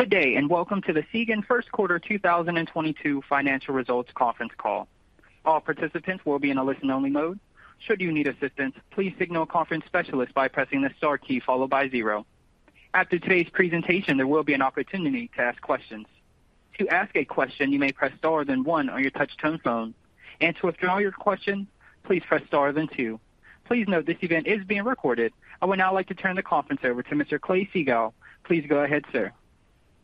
Good day, and welcome to the Seagen First Quarter 2022 Financial Results Conference Call. All participants will be in a listen-only mode. Should you need assistance, please signal a conference specialist by pressing the star key followed by zero. After today's presentation, there will be an opportunity to ask questions. To ask a question, you may press star then one on your touch-tone phone. To withdraw your question, please press star then two. Please note this event is being recorded. I would now like to turn the conference over to Mr. Clay Siegall. Please go ahead, sir.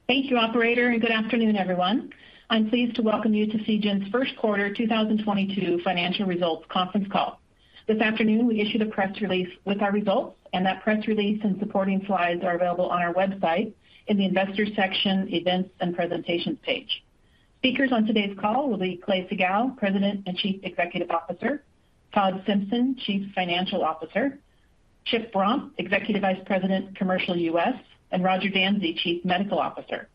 Thank you, operator, and good afternoon, everyone. I'm pleased to welcome you to Seagen's first-quarter 2022 financial results conference call. This afternoon, we issued a press release with our results, and that press release and supporting slides are available on our website in the Investors section, Events and Presentations page. Speakers on today's call will be Clay Siegall, President and Chief Executive Officer, Todd Simpson, Chief Financial Officer, Chip Romp, Executive Vice President, Commercial U.S., and Roger Dansey, Chief Medical Officer.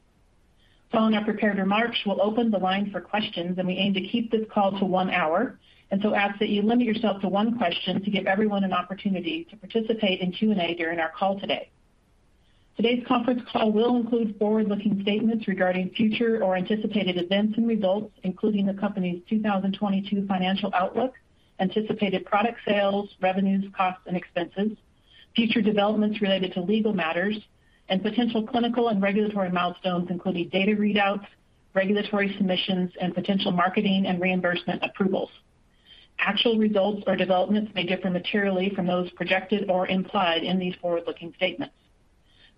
Following our prepared remarks, we'll open the line for questions, and we aim to keep this call to one hour, and so ask that you limit yourself to one question to give everyone an opportunity to participate in Q&A during our call today. Today's conference call will include forward-looking statements regarding future or anticipated events and results, including the company's 2022 financial outlook, anticipated product sales, revenues, costs, and expenses, future developments related to legal matters, and potential clinical and regulatory milestones, including data readouts, regulatory submissions, and potential marketing and reimbursement approvals. Actual results or developments may differ materially from those projected or implied in these forward-looking statements.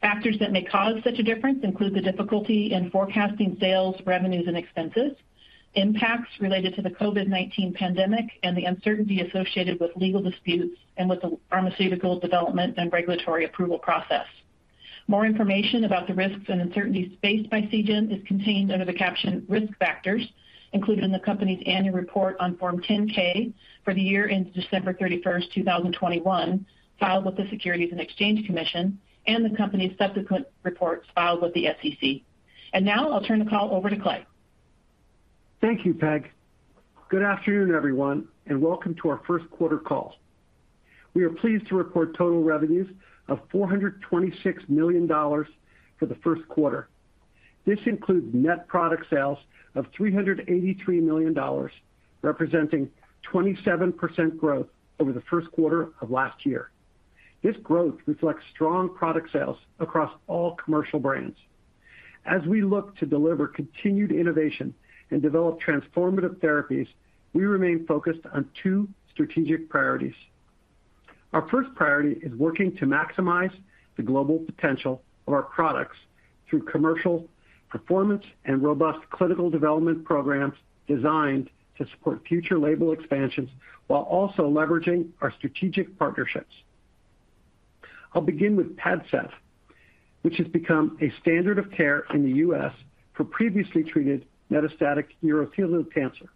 Factors that may cause such a difference include the difficulty in forecasting sales, revenues, and expenses, impacts related to the COVID-19 pandemic, and the uncertainty associated with legal disputes and with the pharmaceutical development and regulatory approval process. More information about the risks and uncertainties faced by Seagen is contained under the caption Risk Factors included in the company's annual report on Form 10-K for the year ended December 31, 2021, filed with the Securities and Exchange Commission and the company's subsequent reports filed with the SEC. Now I'll turn the call over to Clay. Thank you, Peg. Good afternoon, everyone, and welcome to our first quarter call. We are pleased to report total revenues of $426 million for the first quarter. This includes net product sales of $383 million, representing 27% growth over the first quarter of last year. This growth reflects strong product sales across all commercial brands. As we look to deliver continued innovation and develop transformative therapies, we remain focused on two strategic priorities. Our first priority is working to maximize the global potential of our products through commercial performance and robust clinical development programs designed to support future label expansions while also leveraging our strategic partnerships. I'll begin with PADCEV, which has become a standard of care in the U.S. for previously treated metastatic urothelial cancer.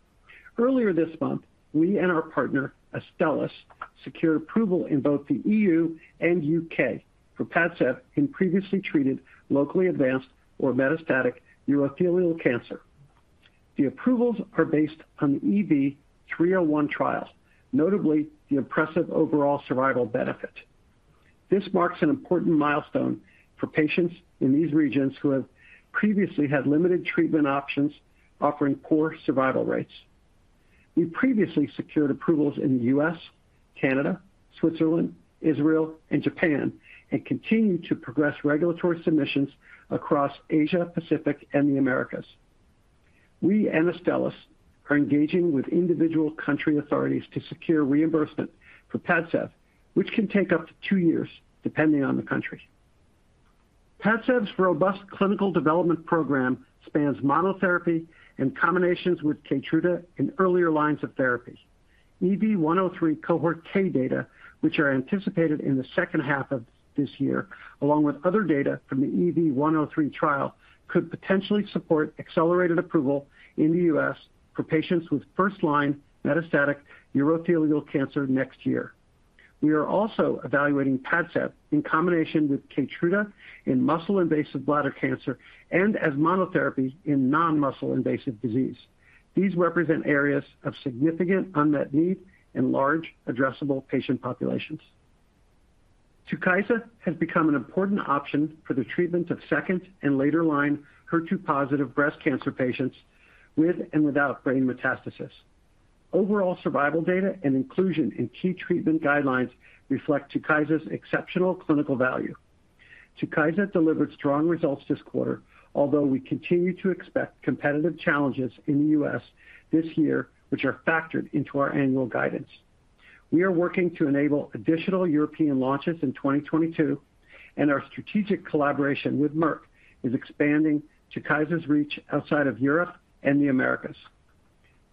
Earlier this month, we and our partner Astellas secured approval in both the EU and U.K. for PADCEV in previously treated locally advanced or metastatic urothelial cancer. The approvals are based on the EV-301 trials, notably the impressive overall survival benefit. This marks an important milestone for patients in these regions who have previously had limited treatment options offering poor survival rates. We previously secured approvals in the U.S., Canada, Switzerland, Israel, and Japan and continue to progress regulatory submissions across Asia, Pacific, and the Americas. We and Astellas are engaging with individual country authorities to secure reimbursement for PADCEV, which can take up to two years depending on the country. PADCEV's robust clinical development program spans monotherapy and combinations with KEYTRUDA in earlier lines of therapy. EV-103 Cohort K data, which are anticipated in the second half of this year, along with other data from the EV-103 trial, could potentially support accelerated approval in the U.S. for patients with first-line metastatic urothelial cancer next year. We are also evaluating PADCEV in combination with KEYTRUDA in muscle-invasive bladder cancer and as monotherapy in non-muscle-invasive disease. These represent areas of significant unmet need in large addressable patient populations. TUKYSA has become an important option for the treatment of second- and later-line HER2-positive breast cancer patients with and without brain metastasis. Overall survival data and inclusion in key treatment guidelines reflect TUKYSA's exceptional clinical value. TUKYSA delivered strong results this quarter, although we continue to expect competitive challenges in the U.S. this year, which are factored into our annual guidance. We are working to enable additional European launches in 2022, and our strategic collaboration with Merck is expanding TUKYSA's reach outside of Europe and the Americas.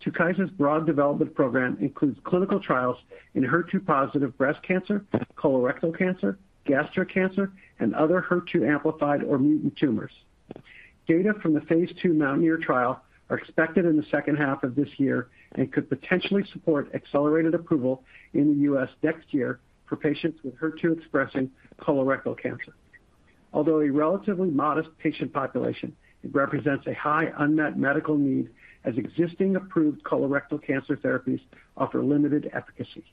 TUKYSA's broad development program includes clinical trials in HER2-positive breast cancer, colorectal cancer, gastric cancer, and other HER2-amplified or mutant tumors. Data from the phase II MOUNTAINEER trial are expected in the second half of this year and could potentially support accelerated approval in the U.S. next year for patients with HER2-expressing colorectal cancer. Although a relatively modest patient population, it represents a high unmet medical need as existing approved colorectal cancer therapies offer limited efficacy.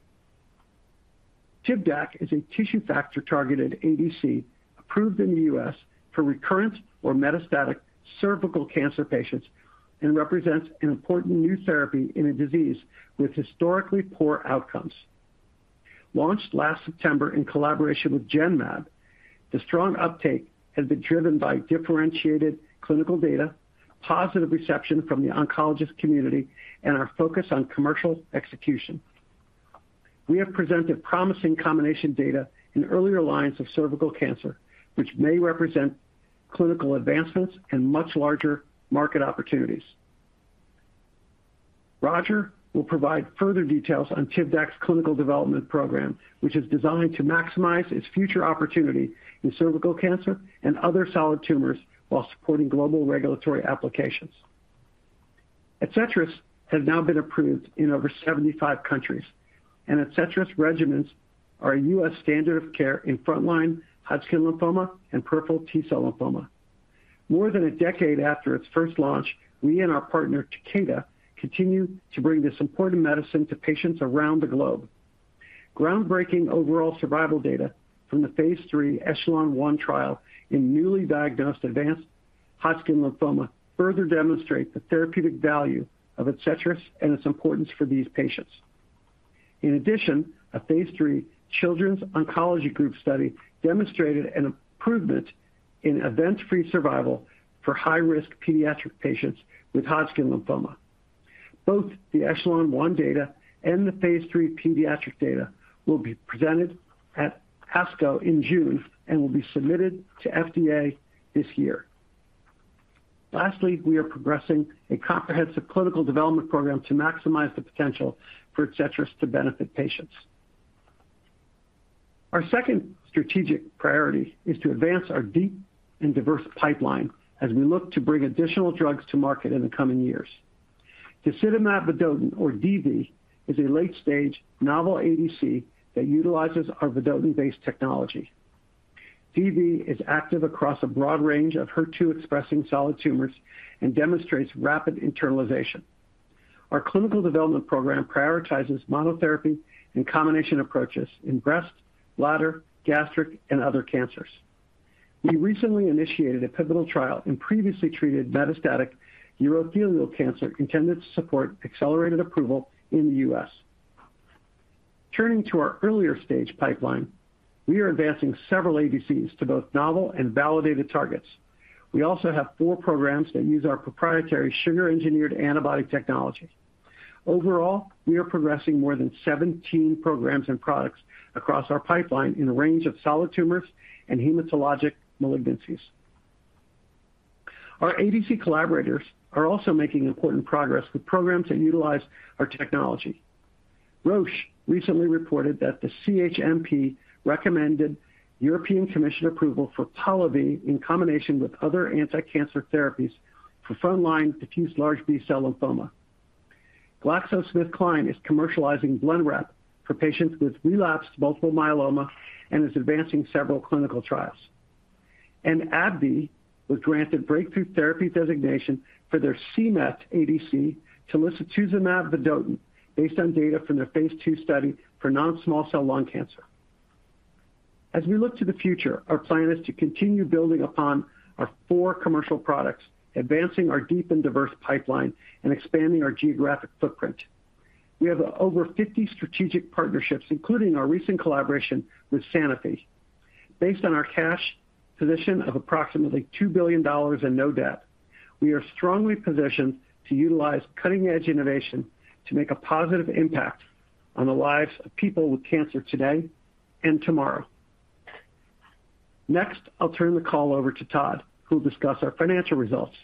TIVDAK is a tissue factor targeted ADC approved in the U.S. for recurrent or metastatic cervical cancer patients and represents an important new therapy in a disease with historically poor outcomes. Launched last September in collaboration with Genmab, the strong uptake has been driven by differentiated clinical data, positive reception from the oncologist community, and our focus on commercial execution. We have presented promising combination data in earlier lines of cervical cancer, which may represent clinical advancements and much larger market opportunities. Roger will provide further details on TIVDAK's clinical development program, which is designed to maximize its future opportunity in cervical cancer and other solid tumors while supporting global regulatory applications. ADCETRIS has now been approved in over 75 countries, and ADCETRIS regimens are a U.S. standard of care in frontline Hodgkin lymphoma and peripheral T-cell lymphoma. More than a decade after its first launch, we and our partner Takeda continue to bring this important medicine to patients around the globe. Groundbreaking overall survival data from the phase III ECHELON-1 trial in newly diagnosed advanced Hodgkin lymphoma further demonstrate the therapeutic value of ADCETRIS and its importance for these patients. In addition, a phase III Children's Oncology Group study demonstrated an improvement in event-free survival for high-risk pediatric patients with Hodgkin lymphoma. Both the ECHELON-1 data and the phase III pediatric data will be presented at ASCO in June and will be submitted to FDA this year. Lastly, we are progressing a comprehensive clinical development program to maximize the potential for ADCETRIS to benefit patients. Our second strategic priority is to advance our deep and diverse pipeline as we look to bring additional drugs to market in the coming years. Disitamab vedotin, or DV, is a late-stage novel ADC that utilizes our vedotin-based technology. DV is active across a broad range of HER2-expressing solid tumors and demonstrates rapid internalization. Our clinical development program prioritizes monotherapy and combination approaches in breast, bladder, gastric, and other cancers. We recently initiated a pivotal trial in previously treated metastatic urothelial cancer intended to support accelerated approval in the U.S. Turning to our earlier stage pipeline, we are advancing several ADCs to both novel and validated targets. We also have four programs that use our proprietary sugar-engineered antibody technology. Overall, we are progressing more than 17 programs and products across our pipeline in a range of solid tumors and hematologic malignancies. Our ADC collaborators are also making important progress with programs that utilize our technology. Roche recently reported that the CHMP recommended European Commission approval for POLIVY in combination with other anti-cancer therapies for frontline diffuse large B-cell lymphoma. GlaxoSmithKline is commercializing Blenrep for patients with relapsed multiple myeloma and is advancing several clinical trials. AbbVie was granted breakthrough therapy designation for their c-Met ADC, telisotuzumab vedotin, based on data from their phase II study for non-small-cell lung cancer. As we look to the future, our plan is to continue building upon our four commercial products, advancing our deep and diverse pipeline, and expanding our geographic footprint. We have over 50 strategic partnerships, including our recent collaboration with Sanofi. Based on our cash position of approximately $2 billion and no debt, we are strongly positioned to utilize cutting-edge innovation to make a positive impact on the lives of people with cancer today and tomorrow. Next, I'll turn the call over to Todd, who will discuss our financial results.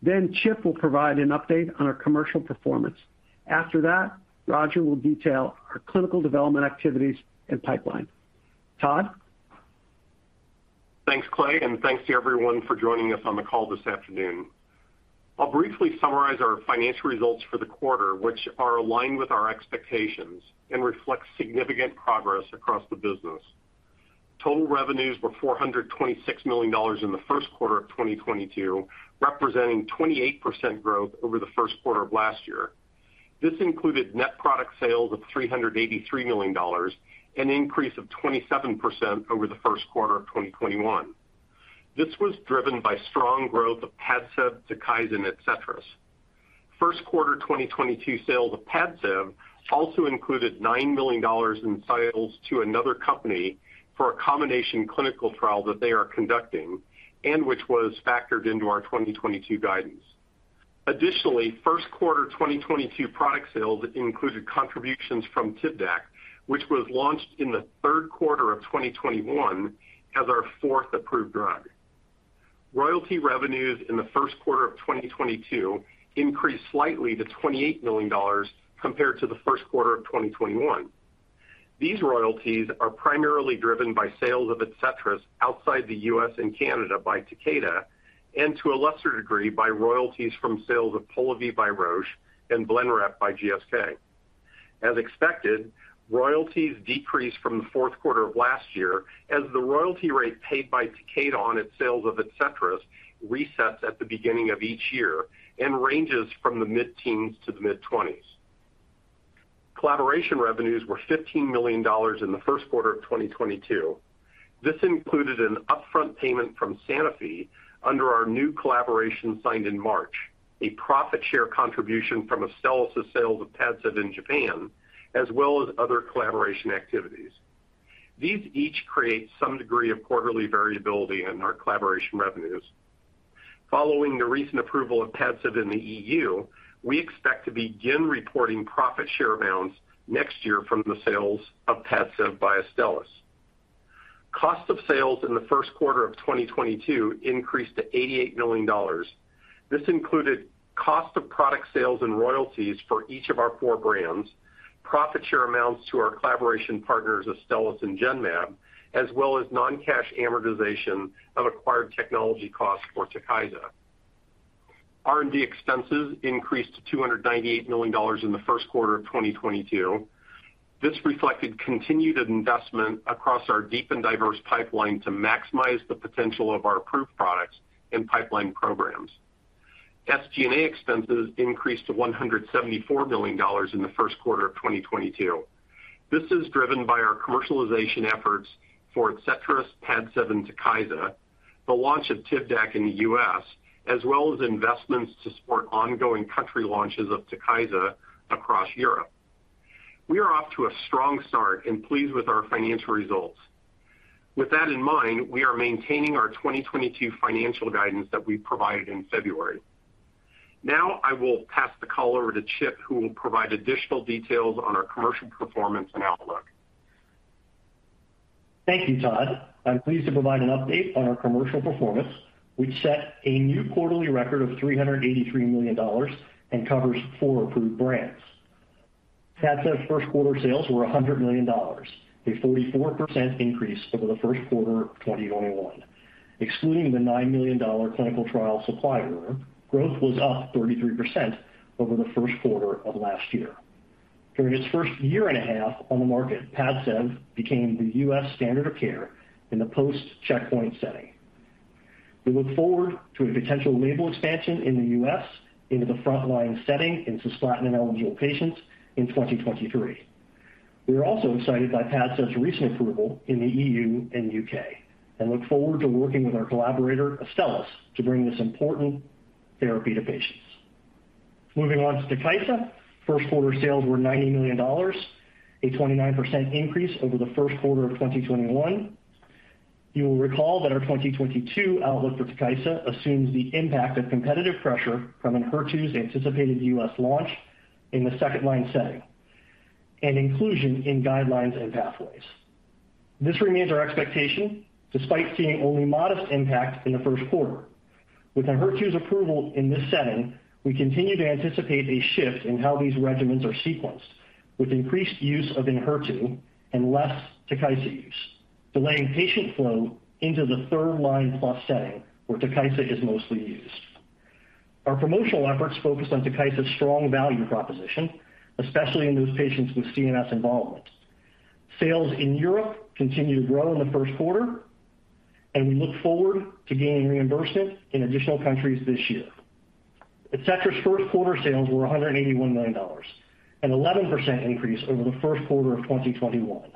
Then Chip will provide an update on our commercial performance. After that, Roger will detail our clinical development activities and pipeline. Todd. Thanks, Clay, and thanks to everyone for joining us on the call this afternoon. I'll briefly summarize our financial results for the quarter, which are aligned with our expectations and reflect significant progress across the business. Total revenues were $426 million in the first quarter of 2022, representing 28% growth over the first quarter of last year. This included net product sales of $383 million, an increase of 27% over the first quarter of 2021. This was driven by strong growth of PADCEV, TUKYSA, ADCETRIS. First quarter 2022 sales of PADCEV also included $9 million in sales to another company for a combination clinical trial that they are conducting and which was factored into our 2022 guidance. Additionally, first quarter 2022 product sales included contributions from TIVDAK, which was launched in the third quarter of 2021 as our fourth approved drug. Royalty revenues in the first quarter 2022 increased slightly to $28 million compared to the first quarter of 2021. These royalties are primarily driven by sales of ADCETRIS outside the U.S. and Canada by Takeda, and to a lesser degree, by royalties from sales of POLIVY by Roche and Blenrep by GSK. As expected, royalties decreased from the fourth quarter of last year as the royalty rate paid by Takeda on its sales of ADCETRIS resets at the beginning of each year and ranges from the mid-teens to the mid-20s. Collaboration revenues were $15 million in the first quarter of 2022. This included an upfront payment from Sanofi under our new collaboration signed in March, a profit share contribution from Astellas' sales of PADCEV in Japan, as well as other collaboration activities. These each create some degree of quarterly variability in our collaboration revenues. Following the recent approval of PADCEV in the EU, we expect to begin reporting profit share amounts next year from the sales of PADCEV by Astellas. Cost of sales in the first quarter of 2022 increased to $88 million. This included cost of product sales and royalties for each of our four brands, profit share amounts to our collaboration partners Astellas and Genmab, as well as non-cash amortization of acquired technology costs for TUKYSA. R&D expenses increased to $298 million in the first quarter of 2022. This reflected continued investment across our deep and diverse pipeline to maximize the potential of our approved products and pipeline programs. SG&A expenses increased to $174 million in the first quarter of 2022. This is driven by our commercialization efforts for ADCETRIS, PADCEV, and TUKYSA, the launch of TIVDAK in the U.S., as well as investments to support ongoing country launches of TUKYSA across Europe. We are off to a strong start and pleased with our financial results. With that in mind, we are maintaining our 2022 financial guidance that we provided in February. Now I will pass the call over to Chip, who will provide additional details on our commercial performance and outlook. Thank you, Todd. I'm pleased to provide an update on our commercial performance, which set a new quarterly record of $383 million and covers four approved brands. PADCEV first quarter sales were $100 million, a 44% increase over the first quarter of 2021. Excluding the $9 million clinical trial supply order, growth was up 33% over the first quarter of last year. During its first year and a half on the market, PADCEV became the U.S. standard of care in the post-checkpoint setting. We look forward to a potential label expansion in the U.S. into the front-line setting in cisplatin-eligible patients in 2023. We are also excited by PADCEV's recent approval in the E.U. and U.K., and look forward to working with our collaborator, Astellas, to bring this important therapy to patients. Moving on to TUKYSA. First quarter sales were $90 million, a 29% increase over the first quarter of 2021. You will recall that our 2022 outlook for TUKYSA assumes the impact of competitive pressure from Enhertu's anticipated U.S. launch in the second line setting and inclusion in guidelines and pathways. This remains our expectation despite seeing only modest impact in the first quarter. With Enhertu's approval in this setting, we continue to anticipate a shift in how these regimens are sequenced, with increased use of Enhertu and less TUKYSA use, delaying patient flow into the third-line plus setting where TUKYSA is mostly used. Our promotional efforts focus on TUKYSA's strong value proposition, especially in those patients with CNS involvement. Sales in Europe continued to grow in the first quarter, and we look forward to gaining reimbursement in additional countries this year. ADCETRIS first quarter sales were $181 million, an 11% increase over the first quarter of 2021.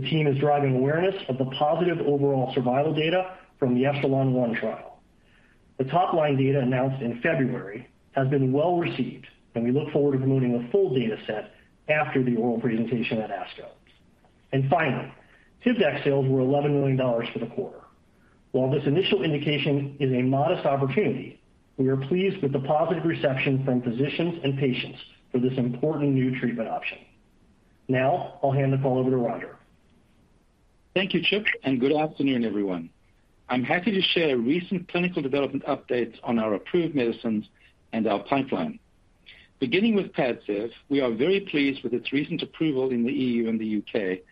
The team is driving awareness of the positive overall survival data from the ECHELON-1 trial. The top-line data announced in February has been well received, and we look forward to promoting a full data set after the oral presentation at ASCO. Finally, TIVDAK sales were $11 million for the quarter. While this initial indication is a modest opportunity, we are pleased with the positive reception from physicians and patients for this important new treatment option. Now I'll hand the call over to Roger. Thank you, Chip, and good afternoon, everyone. I'm happy to share recent clinical development updates on our approved medicines and our pipeline. Beginning with PADCEV, we are very pleased with its recent approval in the EU and the U.K.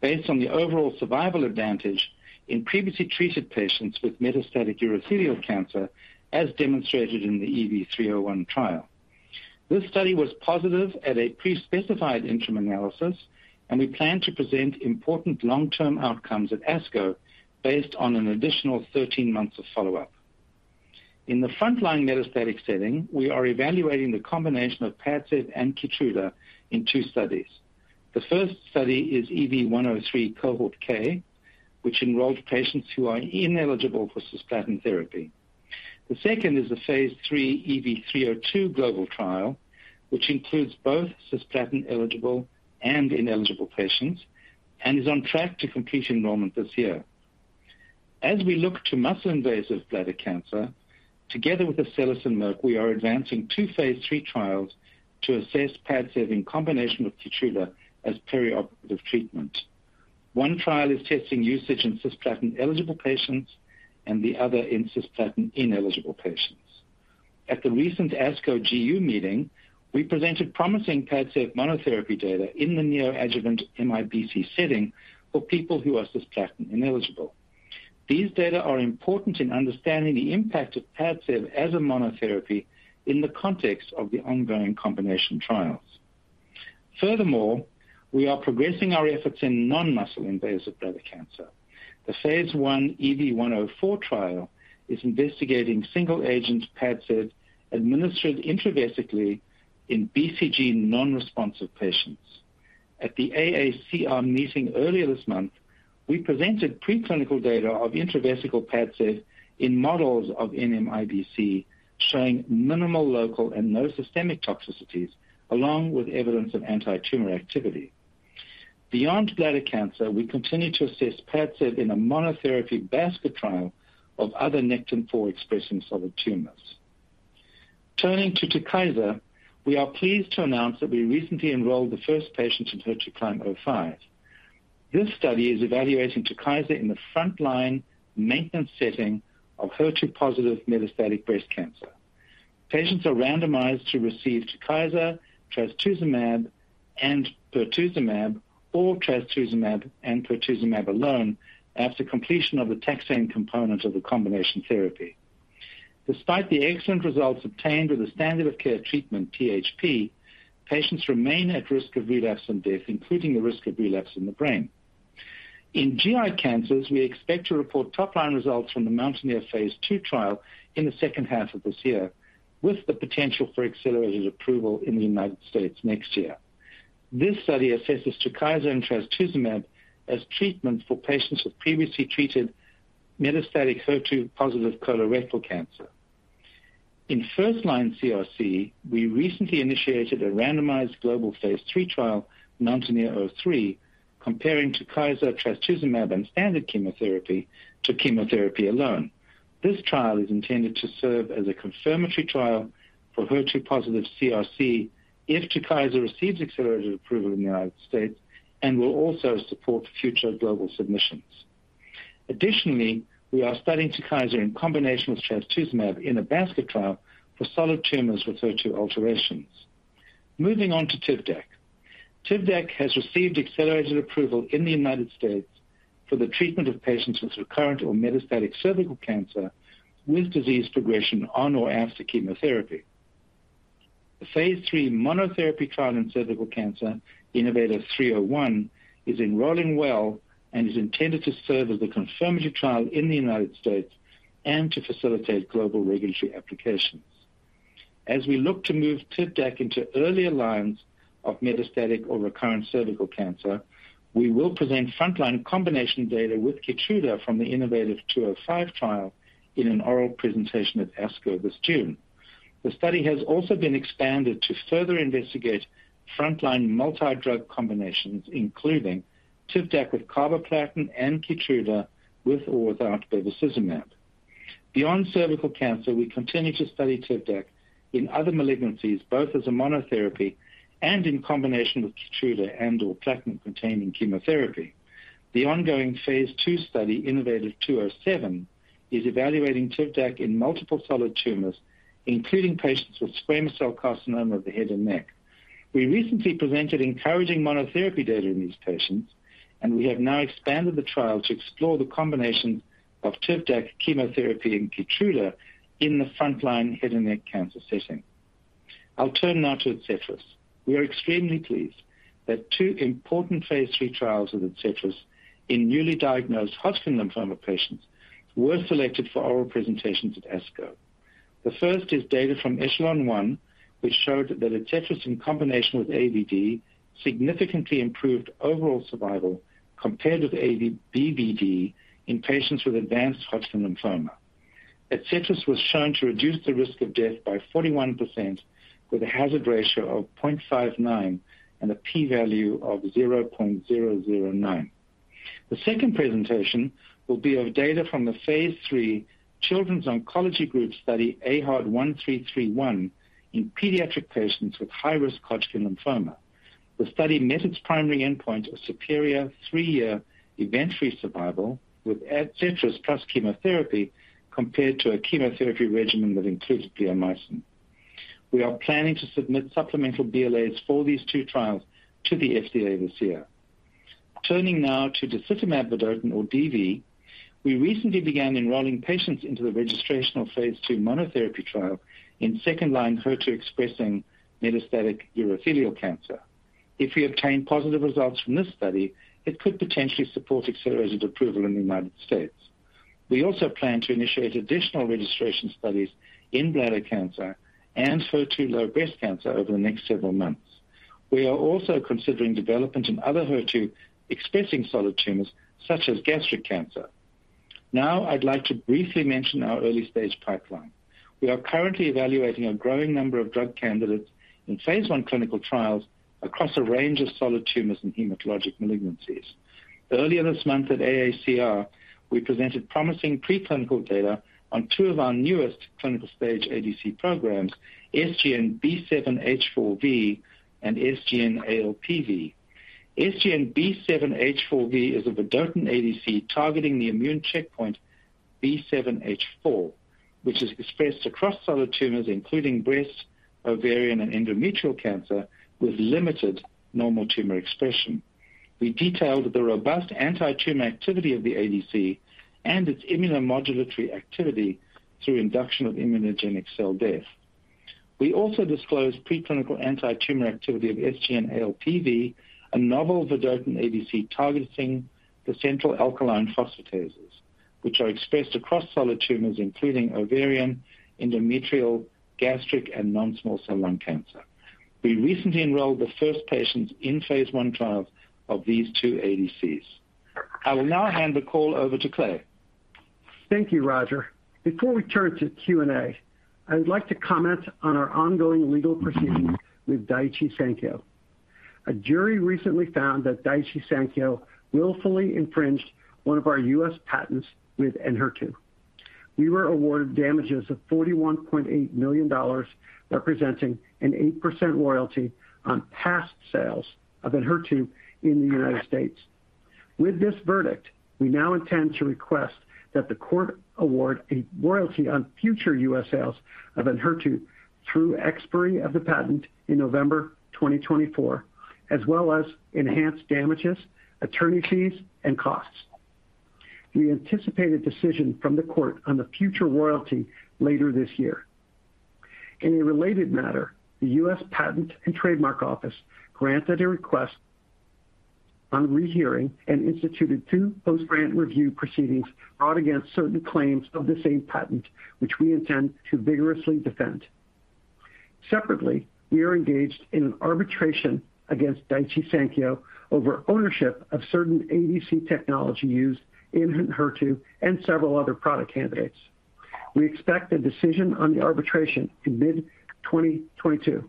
based on the overall survival advantage in previously treated patients with metastatic urothelial cancer, as demonstrated in the EV-301 trial. This study was positive at a pre-specified interim analysis, and we plan to present important long-term outcomes at ASCO based on an additional 13 months of follow-up. In the front-line metastatic setting, we are evaluating the combination of PADCEV and KEYTRUDA in two studies. The first study is EV-103 Cohort K, which enrolled patients who are ineligible for cisplatin therapy. The second is the phase III EV-302 global trial, which includes both cisplatin-eligible and ineligible patients and is on track to complete enrollment this year. As we look to muscle-invasive bladder cancer, together with Astellas and Merck, we are advancing two phase III trials to assess PADCEV in combination with KEYTRUDA as perioperative treatment. One trial is testing usage in cisplatin-eligible patients and the other in cisplatin-ineligible patients. At the recent ASCO GU meeting, we presented promising PADCEV monotherapy data in the neoadjuvant MIBC setting for people who are cisplatin ineligible. These data are important in understanding the impact of PADCEV as a monotherapy in the context of the ongoing combination trials. Furthermore, we are progressing our efforts in non-muscle invasive bladder cancer. The phase I EV-104 trial is investigating single agent PADCEV administered intravesically in BCG non-responsive patients. At the AACR meeting earlier this month, we presented preclinical data of intravesical PADCEV in models of NMIBC showing minimal local and no systemic toxicities, along with evidence of antitumor activity. Beyond bladder cancer, we continue to assess PADCEV in a monotherapy basket trial of other Nectin-4-expressing solid tumors. Turning to TUKYSA, we are pleased to announce that we recently enrolled the first patient in HER2CLIMB-05. This study is evaluating TUKYSA in the front-line maintenance setting of HER2-positive metastatic breast cancer. Patients are randomized to receive TUKYSA, trastuzumab, and pertuzumab, or trastuzumab and pertuzumab alone after completion of the taxane component of the combination therapy. Despite the excellent results obtained with the standard of care treatment, THP, patients remain at risk of relapse and death, including the risk of relapse in the brain. In GI cancers, we expect to report top-line results from the MOUNTAINEER Phase II trial in the second half of this year, with the potential for accelerated approval in the United States next year. This study assesses TUKYSA and trastuzumab as treatment for patients with previously treated metastatic HER2-positive colorectal cancer. In first-line CRC, we recently initiated a randomized global phase III trial, MOUNTAINEER-03, comparing TUKYSA, trastuzumab, and standard chemotherapy to chemotherapy alone. This trial is intended to serve as a confirmatory trial for HER2-positive CRC if TUKYSA receives accelerated approval in the United States and will also support future global submissions. Additionally, we are studying TUKYSA in combination with trastuzumab in a basket trial for solid tumors with HER2 alterations. Moving on to TIVDAK. TIVDAK has received accelerated approval in the United States for the treatment of patients with recurrent or metastatic cervical cancer with disease progression on or after chemotherapy. The Phase III monotherapy trial in cervical cancer, innovaTV 301, is enrolling well and is intended to serve as a confirmatory trial in the U.S. and to facilitate global regulatory applications. As we look to move TIVDAK into earlier lines of metastatic or recurrent cervical cancer, we will present front-line combination data with KEYTRUDA from the innovaTV 205 trial in an oral presentation at ASCO this June. The study has also been expanded to further investigate front-line multi-drug combinations, including TIVDAK with carboplatin and KEYTRUDA, with or without bevacizumab. Beyond cervical cancer, we continue to study TIVDAK in other malignancies, both as a monotherapy and in combination with KEYTRUDA and/or platinum-containing chemotherapy. The ongoing Phase II study, innovaTV 207, is evaluating TIVDAK in multiple solid tumors, including patients with squamous cell carcinoma of the head and neck. We recently presented encouraging monotherapy data in these patients, and we have now expanded the trial to explore the combination of TIVDAK chemotherapy and KEYTRUDA in the frontline head and neck cancer setting. I'll turn now to ADCETRIS. We are extremely pleased that two important Phase III trials of ADCETRIS in newly diagnosed Hodgkin lymphoma patients were selected for oral presentations at ASCO. The first is data from ECHELON-1, which showed that ADCETRIS in combination with AVD significantly improved overall survival compared with ABVD in patients with advanced Hodgkin lymphoma. ADCETRIS was shown to reduce the risk of death by 41% with a hazard ratio of 0.59 and a P value of 0.009. The second presentation will be of data from the Phase III Children's Oncology Group study, AHOD1331, in pediatric patients with high-risk Hodgkin lymphoma. The study met its primary endpoint of superior three-year event-free survival with ADCETRIS plus chemotherapy compared to a chemotherapy regimen that included bleomycin. We are planning to submit supplemental BLAs for these two trials to the FDA this year. Turning now to disitamab vedotin or DV, we recently began enrolling patients into the registrational phase II monotherapy trial in second-line HER2-expressing metastatic urothelial cancer. If we obtain positive results from this study, it could potentially support accelerated approval in the United States. We also plan to initiate additional registration studies in bladder cancer and HER2 low breast cancer over the next several months. We are also considering development in other HER2-expressing solid tumors such as gastric cancer. Now I'd like to briefly mention our early-stage pipeline. We are currently evaluating a growing number of drug candidates in phase I clinical trials across a range of solid tumors and hematologic malignancies. Earlier this month at AACR, we presented promising preclinical data on two of our newest clinical-stage ADC programs, SGN-B7H4V and SGN-ALPV. SGN-B7H4V is a vedotin ADC targeting the immune checkpoint B7-H4, which is expressed across solid tumors including breast, ovarian, and endometrial cancer with limited normal tissue expression. We detailed the robust antitumor activity of the ADC and its immunomodulatory activity through induction of immunogenic cell death. We also disclosed preclinical antitumor activity of SGN-ALPV, a novel vedotin ADC targeting the placental alkaline phosphatases. Which are expressed across solid tumors, including ovarian, endometrial, gastric and non-small cell lung cancer. We recently enrolled the first patients in phase I trials of these two ADCs. I will now hand the call over to Clay. Thank you, Roger. Before we turn to Q&A, I would like to comment on our ongoing legal proceedings with Daiichi Sankyo. A jury recently found that Daiichi Sankyo willfully infringed one of our U.S. patents with Enhertu. We were awarded damages of $41.8 million, representing an 8% royalty on past sales of Enhertu in the United States. With this verdict, we now intend to request that the court award a royalty on future U.S. sales of Enhertu through expiry of the patent in November 2024, as well as enhanced damages, attorney fees and costs. We anticipate a decision from the court on the future royalty later this year. In a related matter, the U.S. Patent and Trademark Office granted a request on rehearing and instituted two post-grant review proceedings brought against certain claims of the same patent, which we intend to vigorously defend. Separately, we are engaged in an arbitration against Daiichi Sankyo over ownership of certain ADC technology used in Enhertu and several other product candidates. We expect a decision on the arbitration in mid-2022.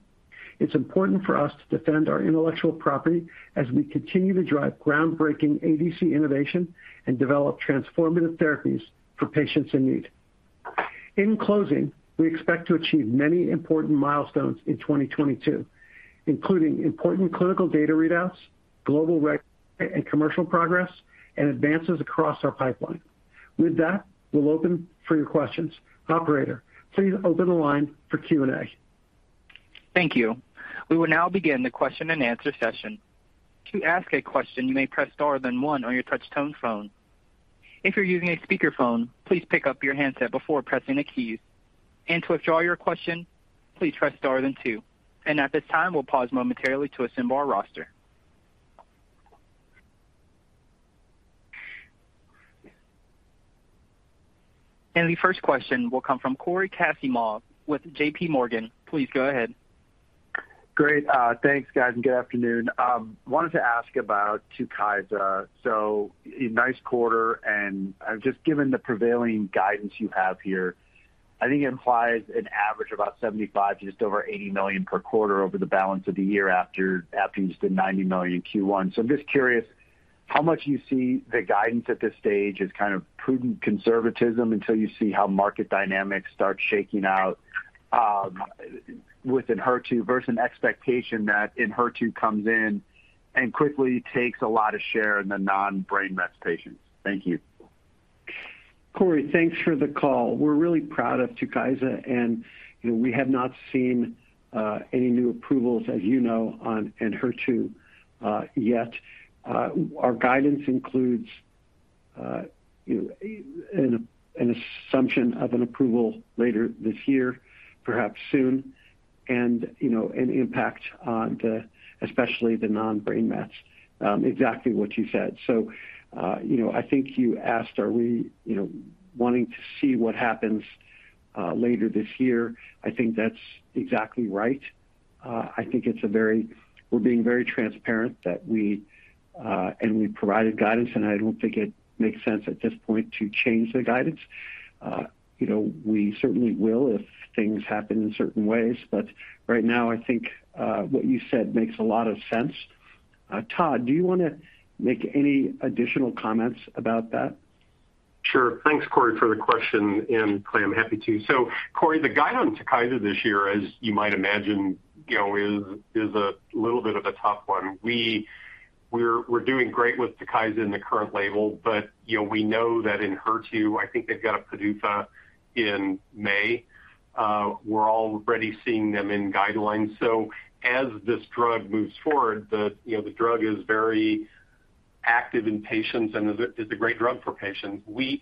It's important for us to defend our intellectual property as we continue to drive groundbreaking ADC innovation and develop transformative therapies for patients in need. In closing, we expect to achieve many important milestones in 2022, including important clinical data readouts, global and commercial progress, and advances across our pipeline. With that, we'll open for your questions. Operator, please open the line for Q&A. Thank you. We will now begin the question-and-answer session. To ask a question, you may press star then one on your touch tone phone. If you're using a speakerphone, please pick up your handset before pressing the keys. To withdraw your question, please press star then two. At this time, we'll pause momentarily to assemble our roster. The first question will come from Cory Kasimov with JPMorgan. Please go ahead. Great. Thanks, guys, and good afternoon. Wanted to ask about TUKYSA. A nice quarter, and just given the prevailing guidance you have here, I think it implies an average about $75 million, just over $80 million per quarter over the balance of the year after just the $90 million Q1. I'm just curious how much you see the guidance at this stage as kind of prudent conservatism until you see how market dynamics start shaking out with Enhertu versus an expectation that Enhertu comes in and quickly takes a lot of share in the non-brain mets patients. Thank you. Cory, thanks for the call. We're really proud of TUKYSA, and, you know, we have not seen any new approvals, as you know, on Enhertu yet. Our guidance includes, you know, an assumption of an approval later this year, perhaps soon, and, you know, an impact on the, especially the non-brain mets, exactly what you said. You know, I think you asked, are we, you know, wanting to see what happens later this year? I think that's exactly right. I think we're being very transparent and we provided guidance, and I don't think it makes sense at this point to change the guidance. You know, we certainly will if things happen in certain ways. Right now, I think what you said makes a lot of sense. Todd, do you wanna make any additional comments about that? Sure. Thanks, Cory, for the question. Clay, I'm happy to. Cory, the guide on TUKYSA this year, as you might imagine, you know, is a little bit of a tough one. We're doing great with TUKYSA in the current label, but, you know, we know that Enhertu, I think they've got a PDUFA in May. We're already seeing them in guidelines. As this drug moves forward, you know, the drug is very active in patients and is a great drug for patients. We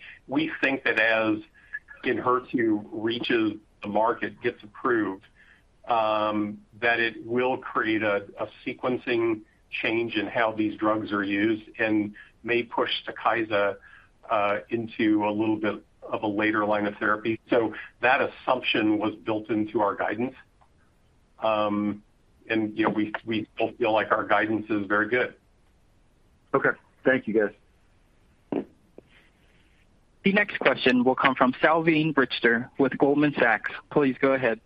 think that as Enhertu reaches the market, gets approved, that it will create a sequencing change in how these drugs are used and may push TUKYSA into a little bit of a later line of therapy. That assumption was built into our guidance. You know, we still feel like our guidance is very good. Okay. Thank you, guys. The next question will come from Salveen Richter with Goldman Sachs. Please go ahead.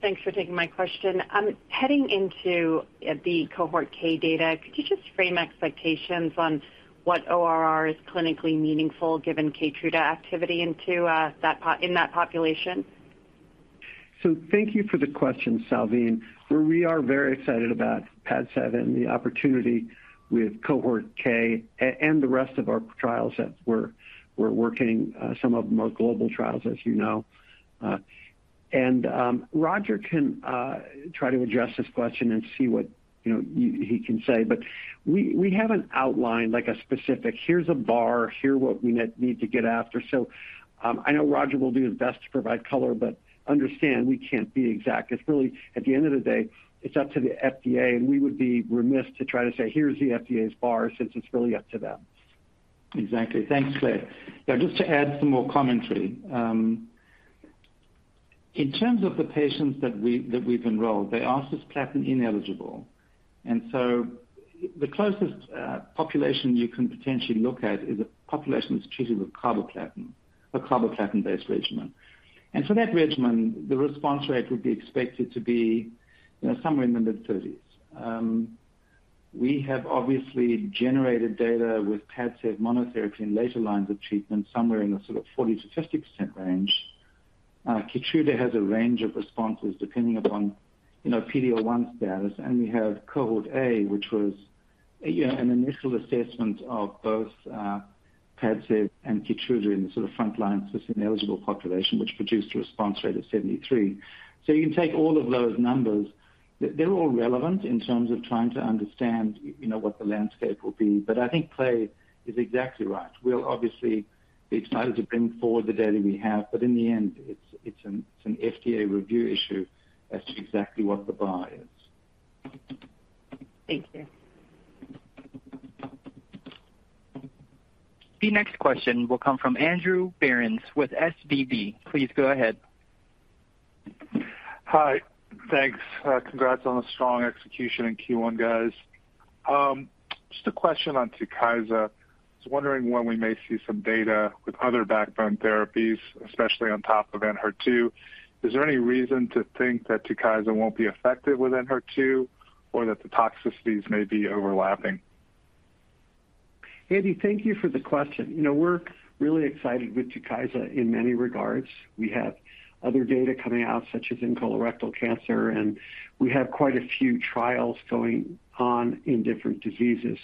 Thanks for taking my question. Heading into the Cohort K data, could you just frame expectations on what ORR is clinically meaningful given KEYTRUDA activity in that population? Thank you for the question, Salveen. We are very excited about PADCEV and the opportunity with Cohort K and the rest of our trials that we're working, some of them are global trials, as you know. Roger can try to address this question and see what, you know, he can say. We haven't outlined like a specific, here's a bar, here what we need to get after. I know Roger will do his best to provide color, but understand we can't be exact. It's really, at the end of the day, it's up to the FDA, and we would be remiss to try to say, "Here's the FDA's bar," since it's really up to them. Exactly. Thanks, Clay. Now, just to add some more commentary. In terms of the patients that we've enrolled, they are cisplatin-ineligible. The closest population you can potentially look at is a population that's treated with carboplatin or carboplatin-based regimen. For that regimen, the response rate would be expected to be, you know, somewhere in the mid-30s. We have obviously generated data with PADCEV monotherapy in later lines of treatment, somewhere in the sort of 40%-50% range. KEYTRUDA has a range of responses depending upon, you know, PD-L1 status. We have Cohort A, which was, you know, an initial assessment of both PADCEV and KEYTRUDA in the sort of front line cisplatin-ineligible population, which produced a response rate of 73%. You can take all of those numbers. They're all relevant in terms of trying to understand, you know, what the landscape will be. I think Clay is exactly right. We'll obviously be excited to bring forward the data we have, but in the end, it's an FDA review issue as to exactly what the bar is. Thank you. The next question will come from Andrew Berens with SVB. Please go ahead. Hi. Thanks. Congrats on the strong execution in Q1, guys. Just a question on TUKYSA. I was wondering when we may see some data with other backbone therapies, especially on top of Enhertu. Is there any reason to think that TUKYSA won't be effective with Enhertu or that the toxicities may be overlapping? Andy, thank you for the question. You know, we're really excited with TUKYSA in many regards. We have other data coming out, such as in colorectal cancer, and we have quite a few trials going on in different diseases.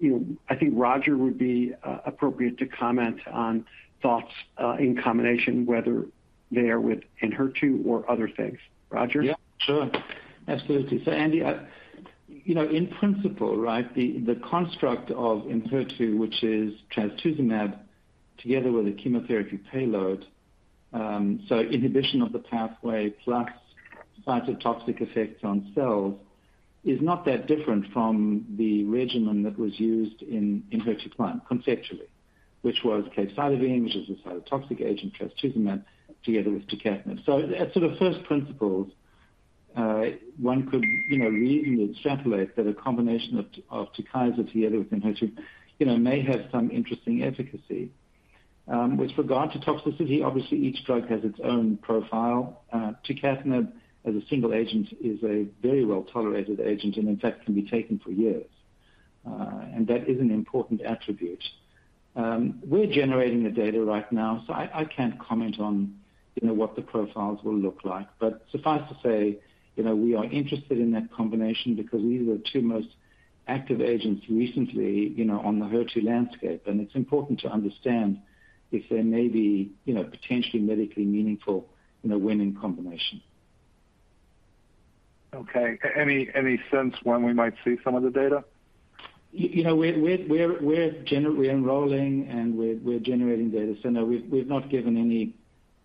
You know, I think Roger would be appropriate to comment on thoughts in combination, whether they are with Enhertu or other things. Roger? Yeah, sure. Absolutely. Andy, you know, in principle, right, the construct of Enhertu, which is trastuzumab together with a chemotherapy payload, so inhibition of the pathway plus cytotoxic effects on cells, is not that different from the regimen that was used in HER2CLIMB, conceptually, which was capecitabine, which is a cytotoxic agent, trastuzumab together with tucatinib. As to the first principles, one could, you know, reasonably extrapolate that a combination of TUKYSA together with Enhertu, you know, may have some interesting efficacy. With regard to toxicity, obviously, each drug has its own profile. Tucatinib as a single agent is a very well-tolerated agent and in fact can be taken for years. And that is an important attribute. We're generating the data right now, so I can't comment on, you know, what the profiles will look like. Suffice to say, you know, we are interested in that combination because these are the two most active agents recently, you know, on the Enhertu landscape, and it's important to understand if there may be, you know, potentially medically meaningful, you know, win combination. Okay. Any sense when we might see some of the data? You know, we're enrolling and we're generating data. No, we've not given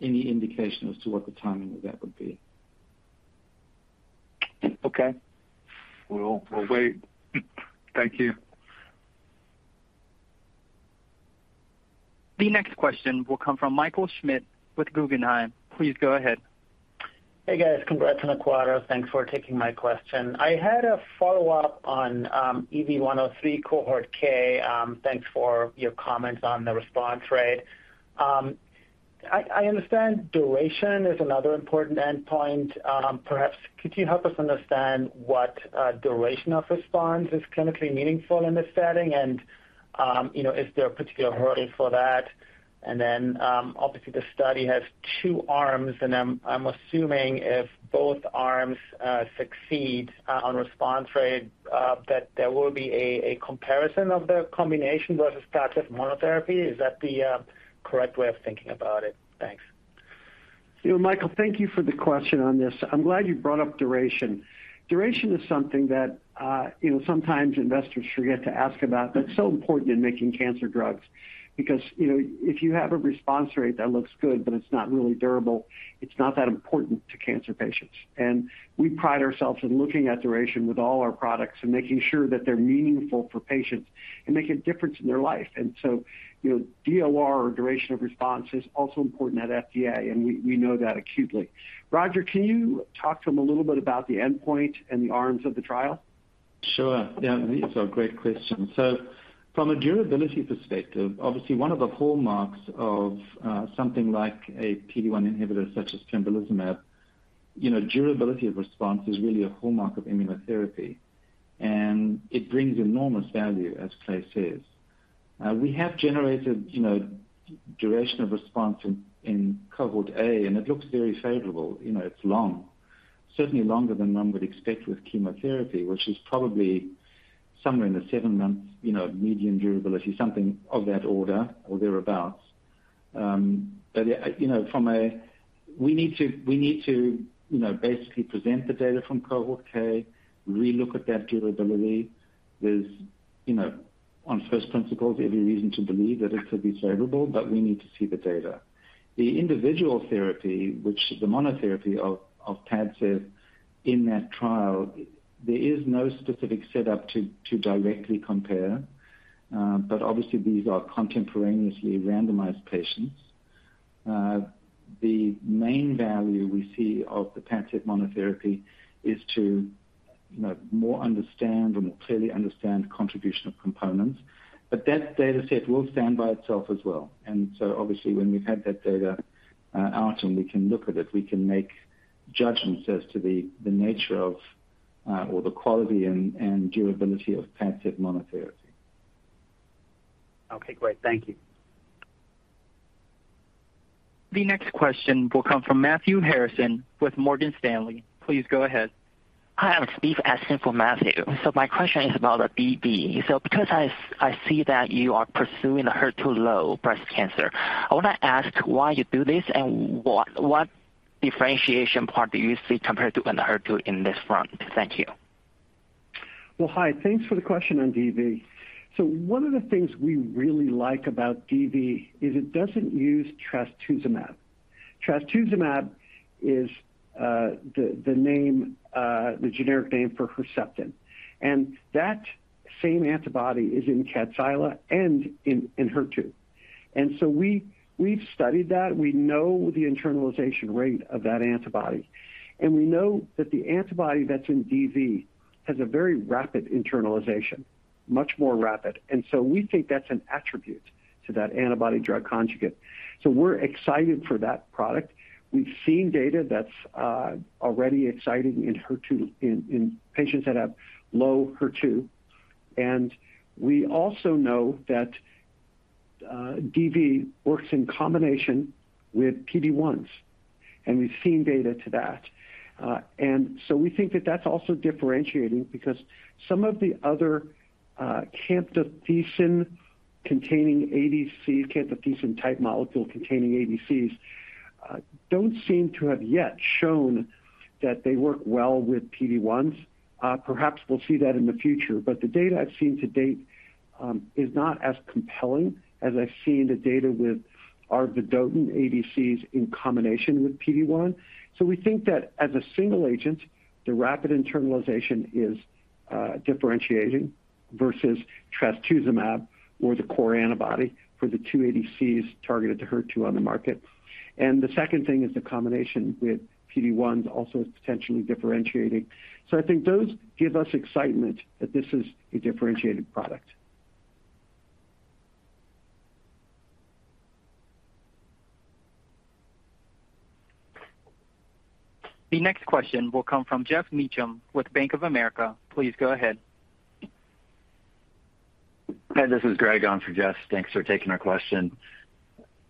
any indication as to what the timing of that would be. Okay. We'll wait. Thank you. The next question will come from Michael Schmidt with Guggenheim. Please go ahead. Hey, guys. Congrats on the quarter. Thanks for taking my question. I had a follow-up on EV-103 Cohort K. Thanks for your comments on the response rate. I understand duration is another important endpoint. Perhaps could you help us understand what duration of response is clinically meaningful in this setting and, you know, is there a particular hurdle for that? Obviously, the study has two arms, and I'm assuming if both arms succeed on response rate, that there will be a comparison of the combination versus PADCEV monotherapy. Is that the correct way of thinking about it? Thanks. You know, Michael, thank you for the question on this. I'm glad you brought up duration. Duration is something that, you know, sometimes investors forget to ask about, but so important in making cancer drugs because, you know, if you have a response rate that looks good, but it's not really durable, it's not that important to cancer patients. We pride ourselves in looking at duration with all our products and making sure that they're meaningful for patients and make a difference in their life. You know, DOR or duration of response is also important at FDA, and we know that acutely. Roger, can you talk to him a little bit about the endpoint and the arms of the trial? Sure. Yeah, these are great questions. From a durability perspective, obviously one of the hallmarks of something like a PD-1 inhibitor such as pembrolizumab, you know, durability of response is really a hallmark of immunotherapy, and it brings enormous value, as Clay says. We have generated, you know, duration of response in Cohort A, and it looks very favorable. You know, it's long, certainly longer than one would expect with chemotherapy, which is probably somewhere in the seven-month, you know, median durability, something of that order or thereabout. But you know, from a We need to you know basically present the data from Cohort K, relook at that durability. There's you know on first principles every reason to believe that it could be favorable, but we need to see the data. The individual therapy, which the monotherapy of PADCEV in that trial, there is no specific setup to directly compare, but obviously these are contemporaneously randomized patients. The main value we see of the PADCEV monotherapy is to you know more understand or more clearly understand contribution of components. But that data set will stand by itself as well. Obviously when we've had that data out and we can look at it, we can make judgments as to the nature of or the quality and durability of PADCEV monotherapy. Okay, great. Thank you. The next question will come from Matthew Harrison with Morgan Stanley. Please go ahead. Hi, I'm Steve asking for Matthew. My question is about DV. Because I see that you are pursuing the HER2 low breast cancer, I wanna ask why you do this and what differentiation part do you see compared to Enhertu in this front? Thank you. Well, hi. Thanks for the question on DV. One of the things we really like about DV is it doesn't use trastuzumab. Trastuzumab is the generic name for Herceptin. That same antibody is in Kadcyla and in HER2. We've studied that. We know the internalization rate of that antibody, and we know that the antibody that's in DV has a very rapid internalization, much more rapid. We think that's an attribute of that antibody-drug conjugate. We're excited for that product. We've seen data that's already exciting in HER2 in patients that have low HER2. We also know that DV works in combination with PD-1s, and we've seen data on that. We think that that's also differentiating because some of the other, camptothecin-containing ADCs, camptothecin type molecule-containing ADCs, don't seem to have yet shown that they work well with PD-1s. Perhaps we'll see that in the future. The data I've seen to date is not as compelling as I've seen the data with our vedotin ADCs in combination with PD-1. We think that as a single agent, the rapid internalization is differentiating versus trastuzumab or the core antibody for the two ADCs targeted to HER2 on the market. The second thing is the combination with PD-1s also is potentially differentiating. I think those give us excitement that this is a differentiated product. The next question will come from Geoff Meacham with Bank of America. Please go ahead. Hi, this is Greg on for Geoff. Thanks for taking our question.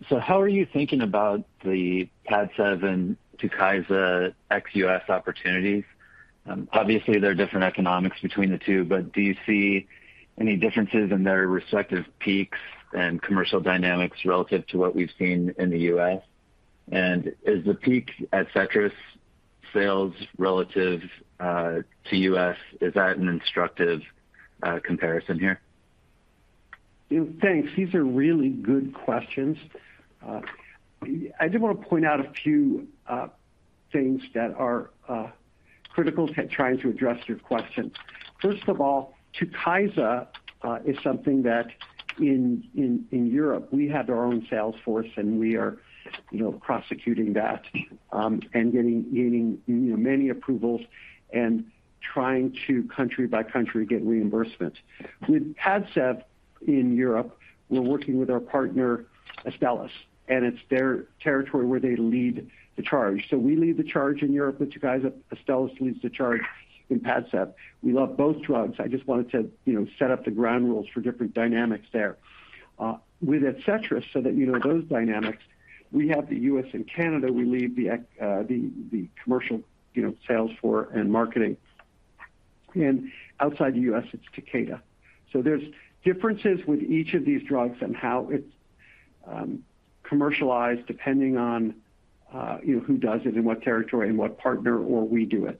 How are you thinking about the PADCEV and TUKYSA ex-U.S. opportunities? Obviously there are different economics between the two, but do you see any differences in their respective peaks and commercial dynamics relative to what we've seen in the U.S.? Is the peak ADCETRIS sales relative to U.S., is that an instructive comparison here? Thanks. These are really good questions. I did wanna point out a few things that are critical to trying to address your question. First of all, TUKYSA is something that in Europe we have our own sales force and we are, you know, prosecuting that and getting many approvals and trying to country by country get reimbursement. With PADCEV in Europe, we're working with our partner Astellas, and it's their territory where they lead the charge. We lead the charge in Europe with TUKYSA, Astellas leads the charge in PADCEV. We love both drugs. I just wanted to, you know, set up the ground rules for different dynamics there. With ADCETRIS so that you know those dynamics, we have the U.S. and Canada, we lead the commercial, you know, sales for and marketing. Outside the U.S. it's Takeda. There's differences with each of these drugs and how it's commercialized depending on, you know, who does it in what territory and what partner or we do it.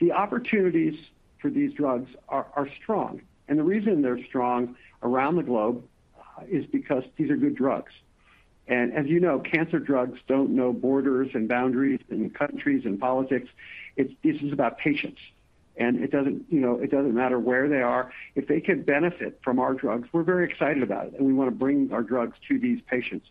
The opportunities for these drugs are strong. The reason they're strong around the globe is because these are good drugs. As you know, cancer drugs don't know borders and boundaries and countries and politics. This is about patients. It doesn't, you know, it doesn't matter where they are. If they can benefit from our drugs, we're very excited about it, and we wanna bring our drugs to these patients.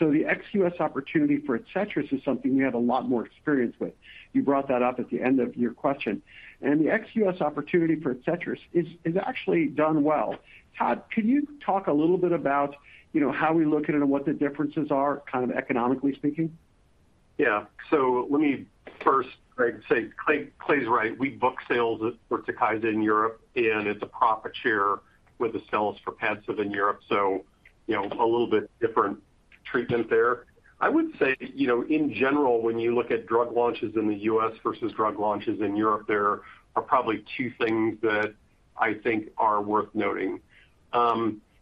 The ex-U.S. opportunity for ADCETRIS is something we have a lot more experience with. You brought that up at the end of your question. The ex-US opportunity for ADCETRIS is actually doing well. Todd, can you talk a little bit about, you know, how we look at it and what the differences are, kind of economically speaking? Yeah. Let me first, Greg, say Clay, Clay's right. We book sales for TUKYSA in Europe, and it's a profit share with Astellas for PADCEV in Europe, so, you know, a little bit different treatment there. I would say, you know, in general, when you look at drug launches in the U.S. versus drug launches in Europe, there are probably two things that I think are worth noting.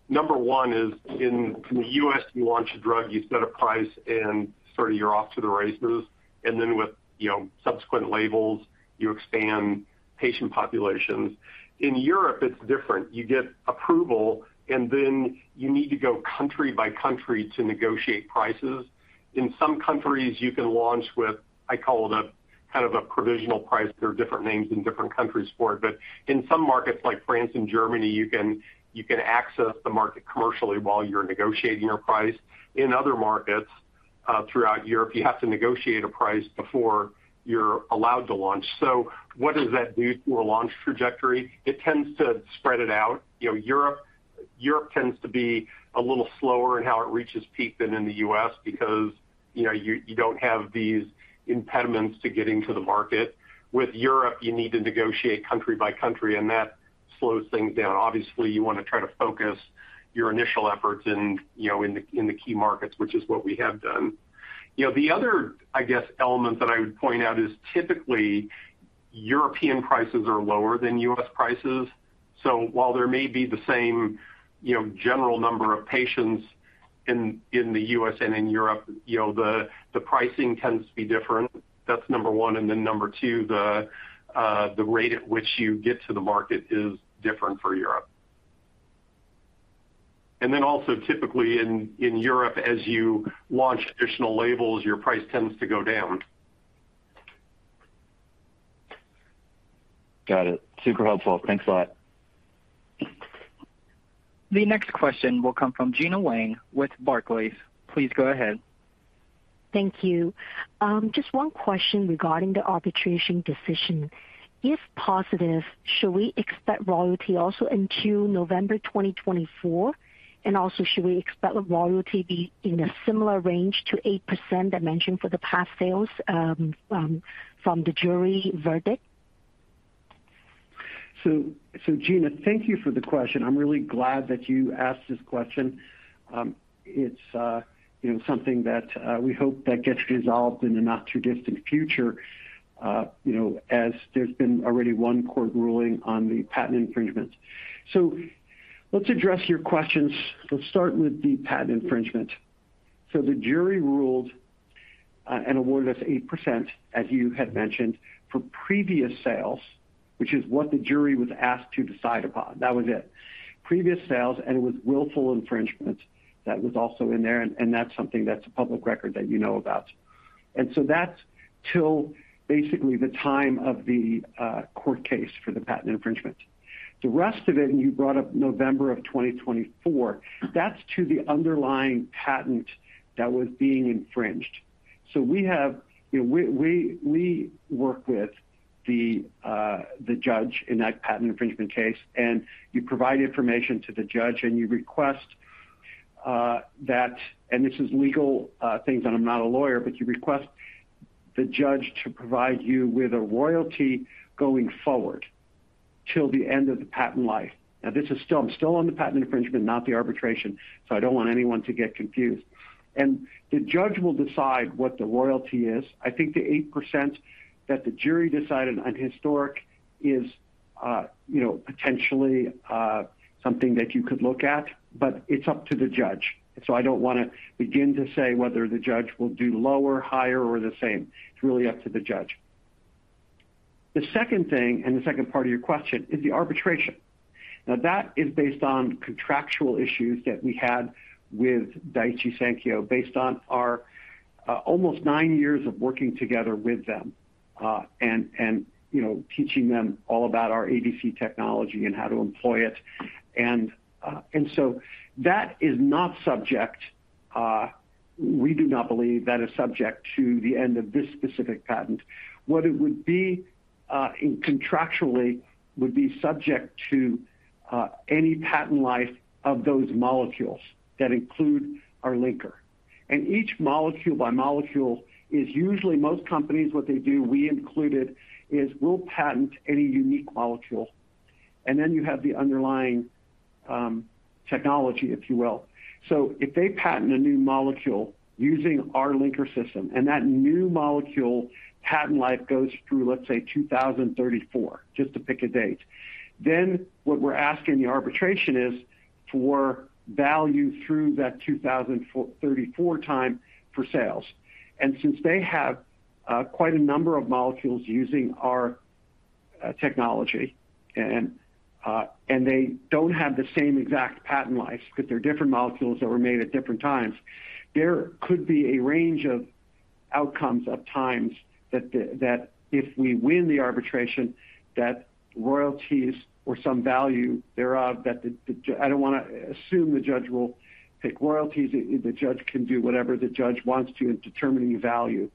Number 1 is in the U.S, you launch a drug, you set a price, and sort of you're off to the races. With, you know, subsequent labels, you expand patient populations. In Europe, it's different. You get approval, and then you need to go country by country to negotiate prices. In some countries, you can launch with, I call it a, kind of a provisional price. There are different names in different countries for it. In some markets like France and Germany, you can access the market commercially while you're negotiating your price. In other markets, throughout Europe, you have to negotiate a price before you're allowed to launch. What does that do to a launch trajectory? It tends to spread it out. You know, Europe tends to be a little slower in how it reaches peak than in the U.S. because, you know, you don't have these impediments to getting to the market. With Europe, you need to negotiate country by country, and that slows things down. Obviously, you want to try to focus your initial efforts in, you know, in the key markets, which is what we have done. You know, the other, I guess, element that I would point out is typically European prices are lower than U.S. prices. So while there may be the same, you know, general number of patients in the U.S., and in Europe, you know, the pricing tends to be different. That's number 1. Number 2, the rate at which you get to the market is different for Europe. Typically in Europe, as you launch additional labels, your price tends to go down. Got it. Super helpful. Thanks a lot. The next question will come from Gena Wang with Barclays. Please go ahead. Thank you. Just one question regarding the arbitration decision. If positive, should we expect royalty also in Q4, November 2024? Should we expect the royalty be in a similar range to 8% as mentioned for the past sales from the jury verdict? Gena, thank you for the question. I'm really glad that you asked this question. It's you know, something that we hope that gets resolved in the not-too-distant future, you know, as there's been already one court ruling on the patent infringement. Let's address your questions. Let's start with the patent infringement. The jury ruled and awarded us 8%, as you had mentioned, for previous sales, which is what the jury was asked to decide upon. That was it. Previous sales, and it was willful infringement that was also in there, and that's something that's a public record that you know about. That's till basically the time of the court case for the patent infringement. The rest of it, and you brought up November of 2024, that's to the underlying patent that was being infringed. We work with the judge in that patent infringement case, and you provide information to the judge, and you request that and this is legal things, and I'm not a lawyer, but you request the judge to provide you with a royalty going forward till the end of the patent life. This is still, I'm still on the patent infringement, not the arbitration, so I don't want anyone to get confused. The judge will decide what the royalty is. I think the 8% that the jury decided on historic is, you know, potentially something that you could look at, but it's up to the judge. I don't want to begin to say whether the judge will do lower, higher, or the same. It's really up to the judge. The second thing, and the second part of your question, is the arbitration. Now that is based on contractual issues that we had with Daiichi Sankyo based on our almost nine years of working together with them, and you know, teaching them all about our ADC technology and how to employ it. That is not subject, we do not believe that is subject to the end of this specific patent. What it would be, contractually would be subject to any patent life of those molecules that include our linker. Each molecule by molecule is usually most companies what they do, we included, is we'll patent any unique molecule. Then you have the underlying technology, if you will. If they patent a new molecule using our linker system and that new molecule patent life goes through, let's say, 2034, just to pick a date, then what we're asking the arbitration is for value through that 2034 time for sales. Since they have quite a number of molecules using our technology and they don't have the same exact patent life because they're different molecules that were made at different times, there could be a range of outcomes of times that if we win the arbitration, royalties or some value thereof. I don't wanna assume the judge will pick royalties. The judge can do whatever the judge wants to in determining value.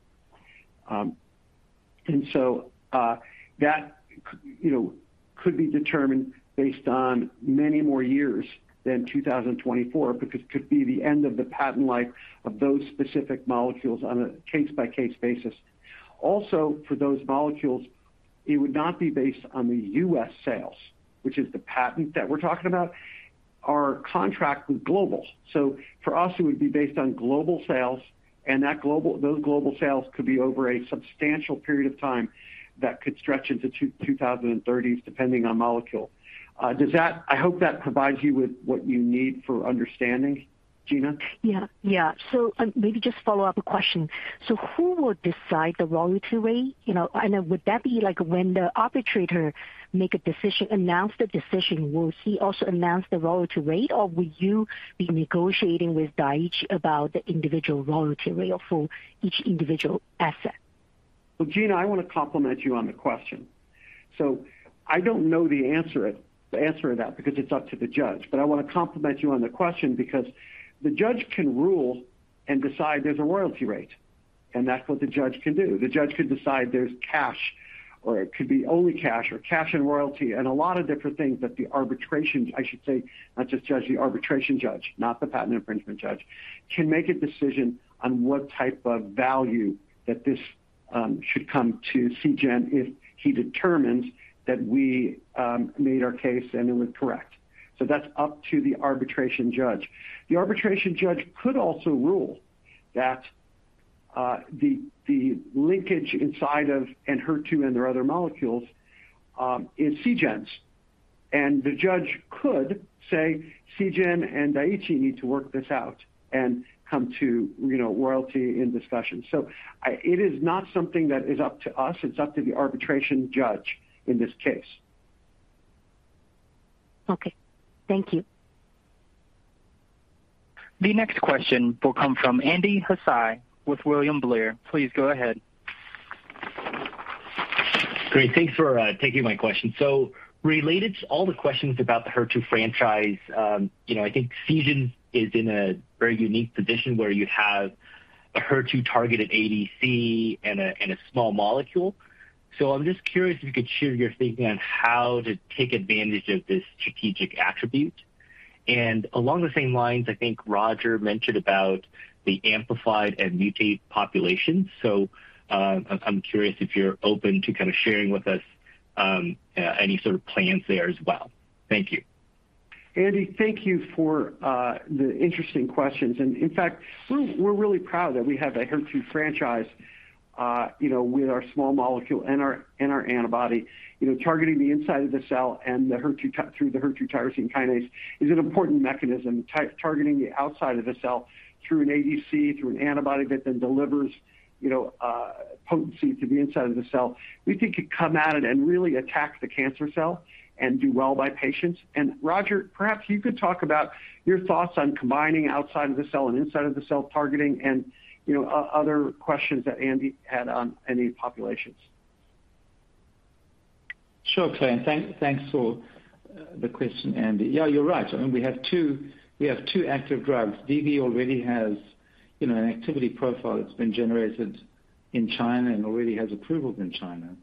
That could, you know, could be determined based on many more years than 2024, because it could be the end of the patent life of those specific molecules on a case-by-case basis. Also, for those molecules, it would not be based on the U.S. sales, which is the patent that we're talking about. Our contract was global. For us, it would be based on global sales. Those global sales could be over a substantial period of time that could stretch into 2030s depending on molecule. I hope that provides you with what you need for understanding, Gena. Maybe just follow-up question. Who would decide the royalty rate? You know, and would that be like when the arbitrator make a decision, announce the decision, will he also announce the royalty rate, or will you be negotiating with Daiichi about the individual royalty rate for each individual asset? Well, Gena, I wanna compliment you on the question. I don't know the answer to that because it's up to the judge, but I wanna compliment you on the question because the judge can rule and decide there's a royalty rate, and that's what the judge can do. The judge could decide there's cash, or it could be only cash or cash and royalty, and a lot of different things that the arbitration, I should say, not just judge, the arbitration judge, not the patent infringement judge, can make a decision on what type of value that this should come to Seagen if he determines that we made our case and it was correct. That's up to the arbitration judge. The arbitration judge could also rule that the linkage inside of Enhertu and their other molecules is Seagen's. The judge could say Seagen and Daiichi Sankyo need to work this out and come to, you know, royalty in discussion. It is not something that is up to us. It's up to the arbitration judge in this case. Okay. Thank you. The next question will come from Andy Hsieh with William Blair. Please go ahead. Great. Thanks for taking my question. Related to all the questions about the HER2 franchise, you know, I think Seagen is in a very unique position where you have a HER2-targeted ADC and a small molecule. I'm just curious if you could share your thinking on how to take advantage of this strategic attribute. Along the same lines, I think Roger mentioned about the amplified and mutated population. I'm curious if you're open to kinda sharing with us any sort of plans there as well. Thank you. Andy, thank you for the interesting questions. In fact, we're really proud that we have a HER2 franchise, you know, with our small molecule and our antibody. You know, targeting the inside of the cell and the HER2 tyrosine kinase is an important mechanism. Targeting the outside of the cell through an ADC, through an antibody that then delivers, you know, potency to the inside of the cell, we think could come at it and really attack the cancer cell and do well by patients. Roger, perhaps you could talk about your thoughts on combining outside of the cell and inside of the cell targeting and, you know, other questions that Andy had on any populations. Sure, Clay, and thanks for the question, Andy. Yeah, you're right. I mean, we have two active drugs. DV already has, you know, an activity profile that's been generated in China and already has approval in China.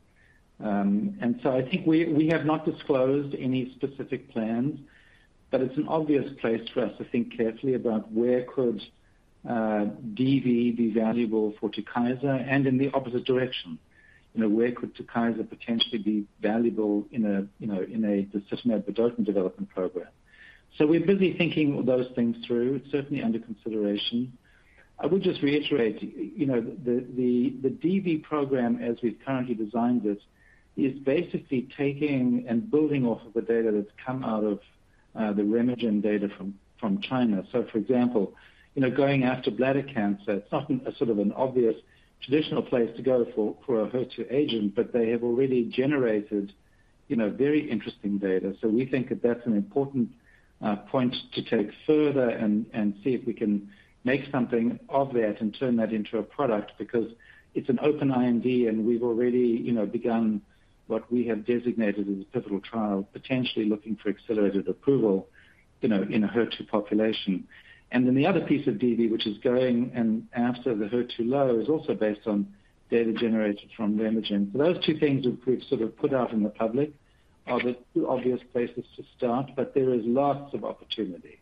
And so I think we have not disclosed any specific plans, but it's an obvious place for us to think carefully about where could DV be valuable for TUKYSA and in the opposite direction. You know, where could TUKYSA potentially be valuable in a, you know, in a cisplatin development program. We're busy thinking those things through. It's certainly under consideration. I would just reiterate, you know, the DV program, as we've currently designed it, is basically taking and building off of the data that's come out of the RemeGen data from China. For example, you know, going after bladder cancer, it's not a sort of an obvious traditional place to go for a HER2 agent, but they have already generated, you know, very interesting data. We think that that's an important point to take further and see if we can make something of that and turn that into a product because it's an open IND, and we've already, you know, begun what we have designated as a pivotal trial, potentially looking for accelerated approval, you know, in a HER2 population. Then the other piece of DV, which is going after the HER2 low, is also based on data generated from RemeGen. Those two things we've sort of put out in the public are the two obvious places to start, but there is lots of opportunity.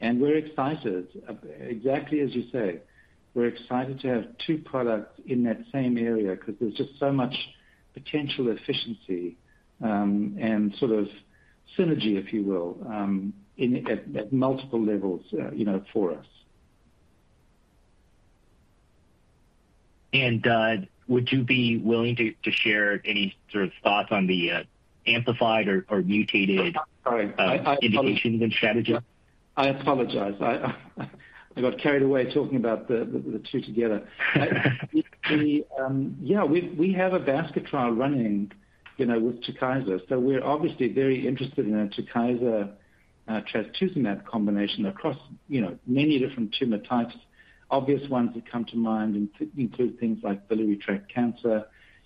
We're excited. Exactly as you say, we're excited to have two products in that same area because there's just so much potential efficiency and sort of synergy, if you will, in at multiple levels, you know, for us. Would you be willing to share any sort of thoughts on the amplified or mutated? Sorry. I apologize. Indications and strategies? I apologize. I got carried away talking about the two together. Yeah, we have a basket trial running, you know, with TUKYSA. So we're obviously very interested in a TUKYSA trastuzumab combination across, you know, many different tumor types. Obvious ones that come to mind include things like biliary tract cancer,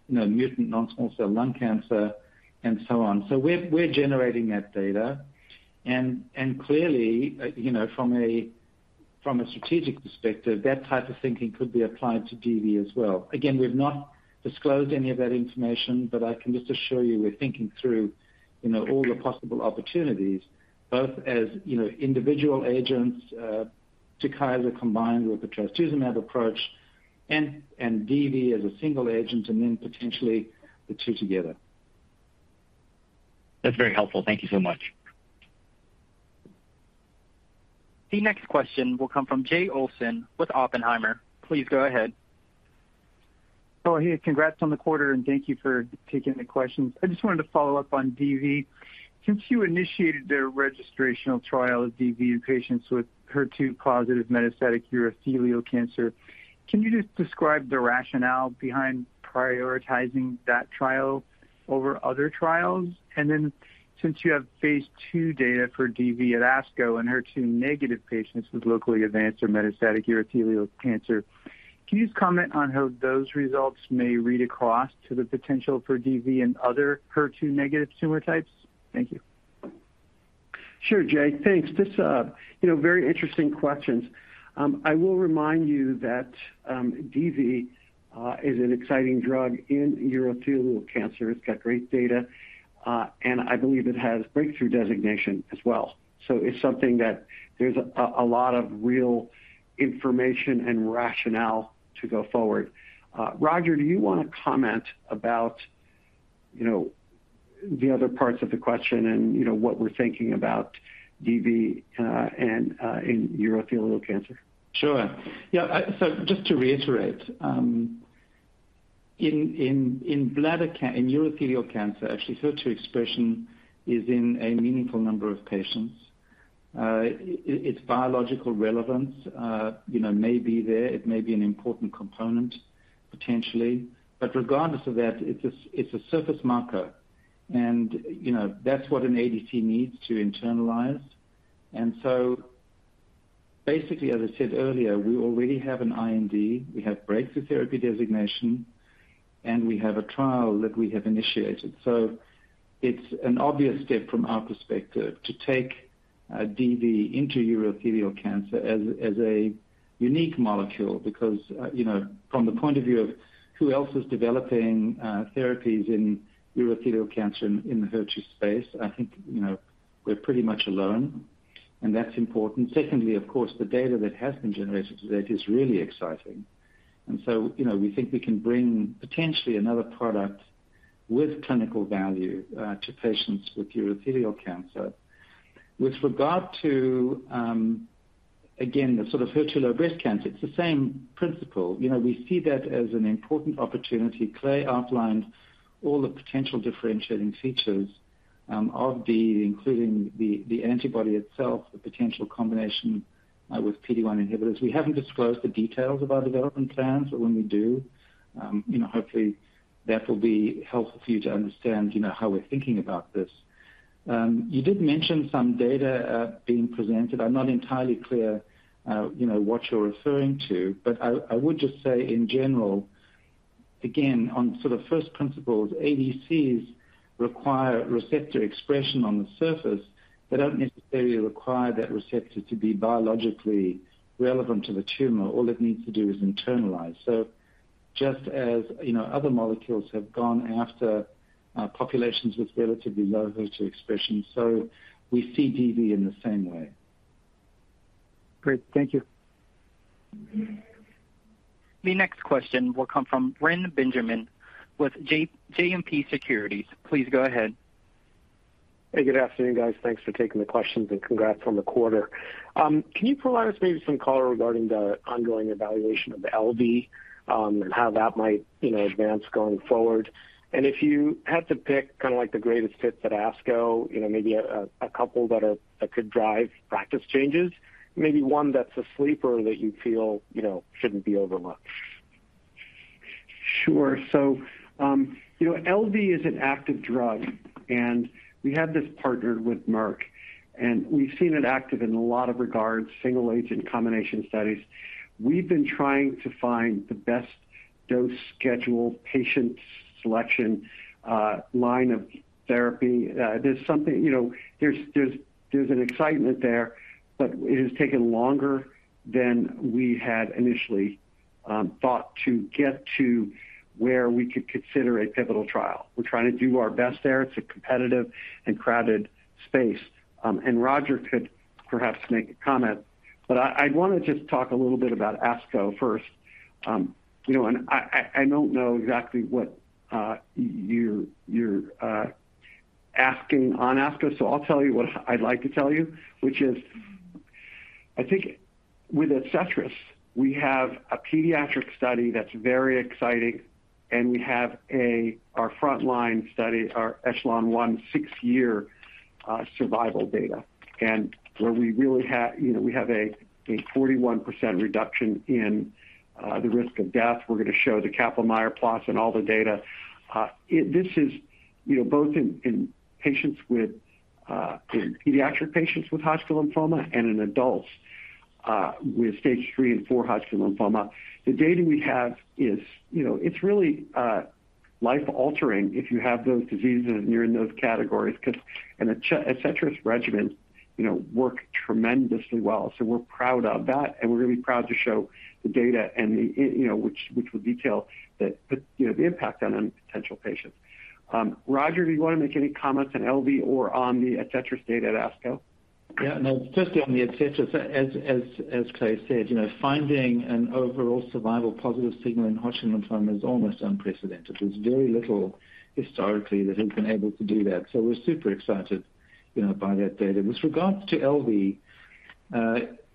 you know, mutant non-small cell lung cancer, and so on. So we're generating that data. Clearly, you know, from a strategic perspective, that type of thinking could be applied to DV as well. Again, we've not disclosed any of that information, but I can just assure you we're thinking through, you know, all the possible opportunities, both as, you know, individual agents, TUKYSA combined with the trastuzumab approach and DV as a single agent, and then potentially the two together. That's very helpful. Thank you so much. The next question will come from Jay Olson with Oppenheimer. Please go ahead. Oh, hey, congrats on the quarter, and thank you for taking the questions. I just wanted to follow up on DV. Since you initiated the registrational trial of DV in patients with HER2-positive metastatic urothelial cancer, can you just describe the rationale behind prioritizing that trial over other trials? Since you have phase II data for DV at ASCO in HER2-negative patients with locally advanced or metastatic urothelial cancer, can you just comment on how those results may read across to the potential for DV in other HER2-negative tumor types? Thank you. Sure, Jay. Thanks. This, you know, very interesting questions. I will remind you that DV is an exciting drug in urothelial cancer. It's got great data, and I believe it has breakthrough designation as well. So it's something that there's a lot of real information and rationale to go forward. Roger, do you wanna comment about, you know, the other parts of the question and, you know, what we're thinking about DV, and in urothelial cancer? Sure. Yeah, so just to reiterate, in urothelial cancer, actually HER2 expression is in a meaningful number of patients. It's biological relevance, you know, may be there. It may be an important component, potentially. Regardless of that, it's a surface marker. You know, that's what an ADC needs to internalize. Basically as I said earlier, we already have an IND, we have breakthrough therapy designation, and we have a trial that we have initiated. It's an obvious step from our perspective to take DV into urothelial cancer as a unique molecule because, you know, from the point of view of who else is developing therapies in urothelial cancer in the HER2 space, I think, you know, we're pretty much alone, and that's important. Secondly, of course, the data that has been generated to date is really exciting. You know, we think we can bring potentially another product with clinical value to patients with urothelial cancer. With regard to, again, the sort of HER2 low breast cancer, it's the same principle. You know, we see that as an important opportunity. Clay outlined all the potential differentiating features of DV, including the antibody itself, the potential combination with PD-1 inhibitors. We haven't disclosed the details of our development plans, but when we do, you know, hopefully that will be helpful for you to understand, you know, how we're thinking about this. You did mention some data being presented. I'm not entirely clear, you know, what you're referring to, but I would just say in general, again, on sort of first principles, ADCs require receptor expression on the surface. They don't necessarily require that receptor to be biologically relevant to the tumor. All it needs to do is internalize. Just as, you know, other molecules have gone after populations with relatively low HER2 expression, so we see DV in the same way. Great. Thank you. The next question will come from Reni Benjamin with JMP Securities. Please go ahead. Hey, good afternoon, guys. Thanks for taking the questions and congrats on the quarter. Can you provide us maybe some color regarding the ongoing evaluation of the LV, and how that might, you know, advance going forward? If you had to pick kinda like the greatest hit at ASCO, you know, maybe a couple that could drive practice changes, maybe one that's a sleeper that you feel, you know, shouldn't be overlooked. Sure. You know, LV is an active drug, and we have this partnered with Merck, and we've seen it active in a lot of regards, single agent combination studies. We've been trying to find the best dose schedule, patient selection, line of therapy. There's something, you know, there's an excitement there, but it has taken longer than we had initially thought to get to where we could consider a pivotal trial. We're trying to do our best there. It's a competitive and crowded space. Roger could perhaps make a comment, but I wanna just talk a little bit about ASCO first. You know, I don't know exactly what you're asking on ASCO, so I'll tell you what I'd like to tell you, which is I think with ADCETRIS, we have a pediatric study that's very exciting, and we have our frontline study, our ECHELON-1 6-year survival data. You know, we have a 41% reduction in the risk of death. We're gonna show the Kaplan-Meier plots and all the data. This is, you know, both in patients with in pediatric patients with Hodgkin lymphoma and in adults with stage 3 and 4 Hodgkin lymphoma. The data we have is, you know, it's really life-altering if you have those diseases and you're in those categories 'cause an ADCETRIS regimen, you know, work tremendously well. We're proud of that, and we're gonna be proud to show the data and you know which will detail the you know the impact on potential patients. Roger, do you wanna make any comments on LV or on the ADCETRIS data at ASCO? Yeah. No, firstly on the ADCETRIS, as Clay said, you know, finding an overall survival positive signal in Hodgkin lymphoma is almost unprecedented. There's very little historically that has been able to do that. So we're super excited, you know, by that data. With regards to LV,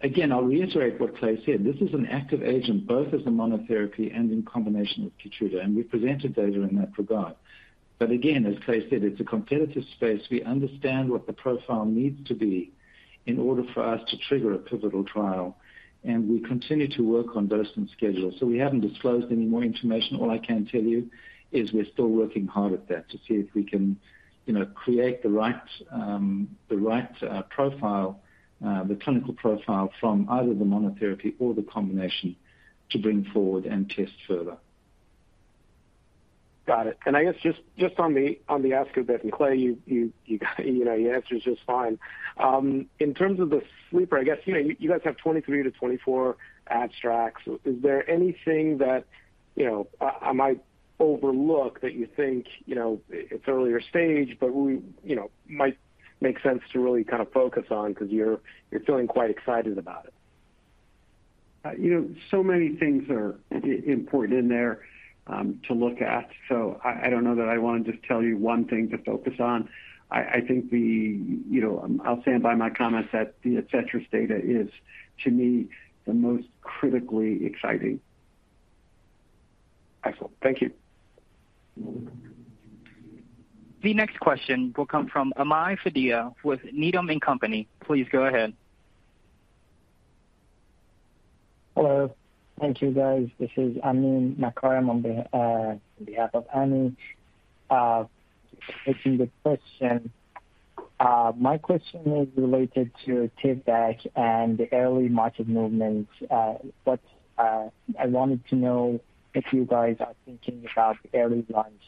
again, I'll reiterate what Clay said. This is an active agent, both as a monotherapy and in combination with KEYTRUDA, and we presented data in that regard. But again, as Clay said, it's a competitive space. We understand what the profile needs to be in order for us to trigger a pivotal trial, and we continue to work on dosing schedules. So we haven't disclosed any more information. All I can tell you is we're still working hard at that to see if we can, you know, create the right profile, the clinical profile from either the monotherapy or the combination to bring forward and test further. Got it. I guess just on the ask of that, and Clay, you know, your answer is just fine. In terms of the sleeper, I guess, you know, you guys have 23-24 abstracts. Is there anything that, you know, I might overlook that you think, you know, it's earlier stage, but we, you know, might make sense to really kind of focus on because you're feeling quite excited about it? You know, so many things are important in there to look at. I don't know that I want to just tell you one thing to focus on. I think you know, I'll stand by my comments that the ADCETRIS data is, to me, the most critically exciting. Excellent. Thank you. The next question will come from Ami Fadia with Needham & Company. Please go ahead. Hello. Thank you, guys. This is Amin Makarem on behalf of Ami, taking the question. My question is related to TIVDAK and the early market movement. What I wanted to know is if you guys are thinking about the early launch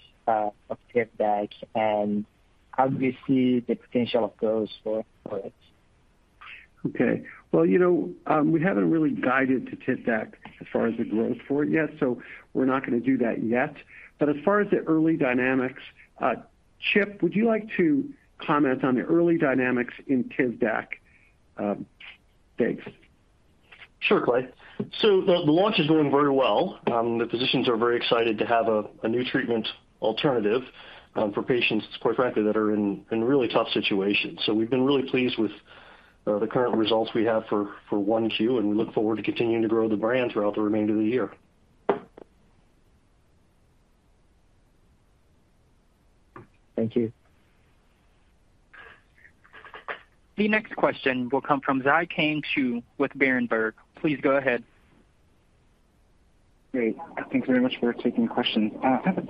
of TIVDAK and how do you see the potential of those for it? Okay. Well, you know, we haven't really guided to TIVDAK as far as the growth for it yet, so we're not gonna do that yet. As far as the early dynamics, Chip, would you like to comment on the early dynamics in TIVDAK? Thanks. Sure, Clay. The launch is doing very well. The physicians are very excited to have a new treatment alternative for patients, quite frankly, that are in really tough situations. We've been really pleased with the current results we have for 1Q, and we look forward to continuing to grow the brand throughout the remainder of the year. Thank you. The next question will come from Zhiqiang Shu with Berenberg. Please go ahead. Great. Thank you very much for taking the question. I have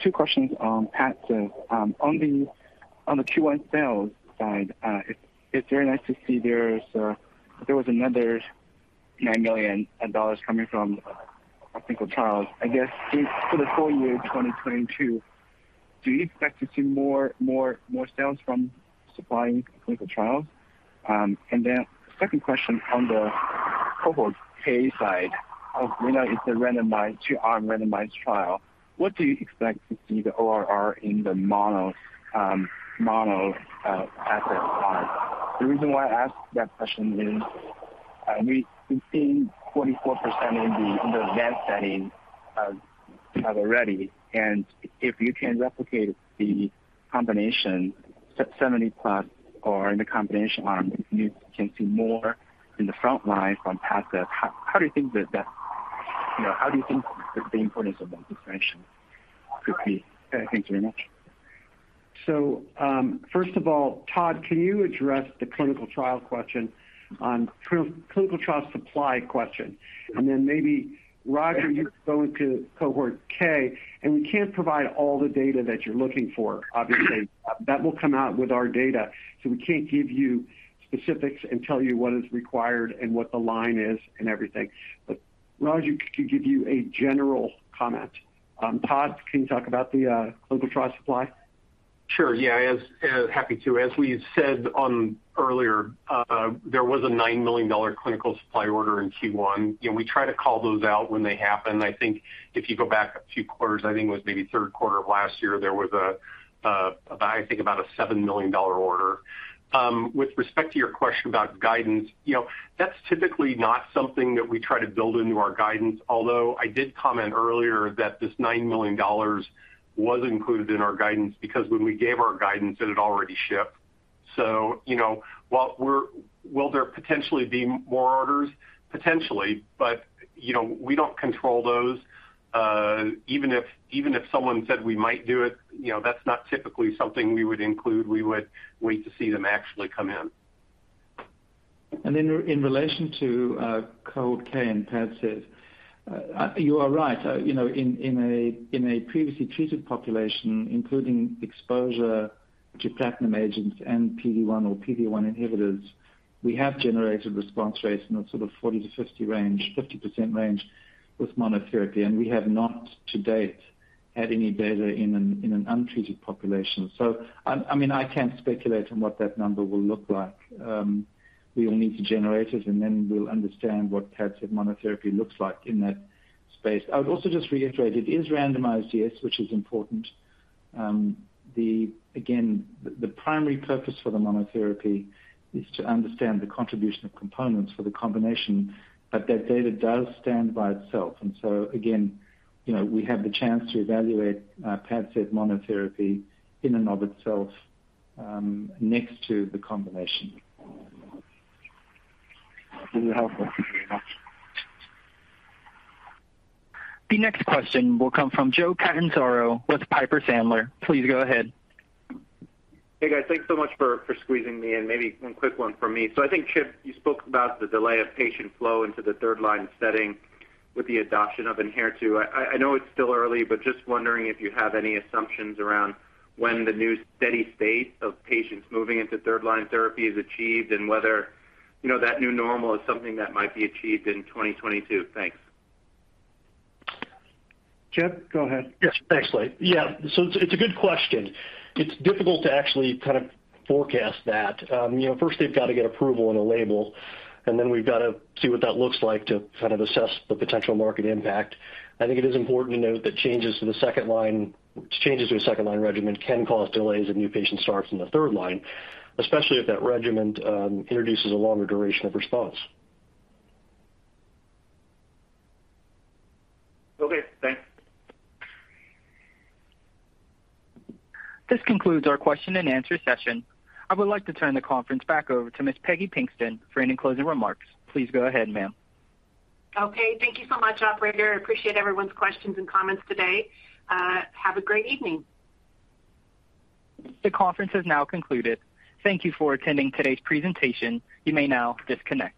two questions on PADCEV. On the Q1 sales side, it's very nice to see there was another $9 million coming from clinical trials. I guess for the full year 2022, do you expect to see more sales from supplying clinical trials? Second question on the Cohort K side, we know it's a randomized two-arm trial. What do you expect to see the ORR in the monotherapy arm? The reason why I ask that question is, we've seen 44% in the advanced setting have already. If you can replicate the combination 70%+ ORR in the combination arm, you can see more in the front line from PADCEV. You know, how do you think the importance of that distinction could be? Okay. Thank you very much. First of all, Todd, can you address the clinical trial supply question? Maybe Roger, you go into Cohort K. We can't provide all the data that you're looking for, obviously. That will come out with our data. We can't give you specifics and tell you what is required and what the line is and everything. Roger can give you a general comment. Todd, can you talk about the clinical trial supply? Sure. Yeah. Happy to. As we said earlier, there was a $9 million clinical supply order in Q1. You know, we try to call those out when they happen. I think if you go back a few quarters, I think it was maybe third quarter of last year, there was, I think about a $7 million order. With respect to your question about guidance, you know, that's typically not something that we try to build into our guidance. Although I did comment earlier that this $9 million was included in our guidance because when we gave our guidance it had already shipped. You know, will there potentially be more orders? Potentially. But, you know, we don't control those. Even if someone said we might do it, you know, that's not typically something we would include. We would wait to see them actually come in. In relation to Cohort K and PADCEV, you are right. You know, in a previously treated population, including exposure to platinum agents and PD-1 or PD-L1 inhibitors, we have generated response rates in the sort of 40%-50% range with monotherapy, and we have not to date had any data in an untreated population. I mean, I can't speculate on what that number will look like. We will need to generate it, and then we'll understand what PADCEV monotherapy looks like in that space. I would also just reiterate, it is randomized, yes, which is important. The, again, the primary purpose for the monotherapy is to understand the contribution of components for the combination, but that data does stand by itself. again, you know, we have the chance to evaluate PADCEV monotherapy in and of itself next to the combination. Really helpful. Thank you very much. The next question will come from Joe Catanzaro with Piper Sandler. Please go ahead. Hey, guys. Thanks so much for squeezing me in. Maybe one quick one from me. I think, Chip, you spoke about the delay of patient flow into the third line setting with the adoption of Enhertu. I know it's still early, but just wondering if you have any assumptions around when the new steady state of patients moving into third line therapy is achieved and whether, you know, that new normal is something that might be achieved in 2022. Thanks. Chip, go ahead. Yes. Thanks, Clay. Yeah. It's a good question. It's difficult to actually kind of forecast that. You know, first they've got to get approval and a label, and then we've got to see what that looks like to kind of assess the potential market impact. I think it is important to note that changes to a second line regimen can cause delays if a new patient starts in the third line, especially if that regimen introduces a longer duration of response. Okay, thanks. This concludes our question-and-answer session. I would like to turn the conference back over to Ms. Peggy Pinkston for any closing remarks. Please go ahead, ma'am. Okay, thank you so much, operator. I appreciate everyone's questions and comments today. Have a great evening. The conference has now concluded. Thank you for attending today's presentation. You may now disconnect.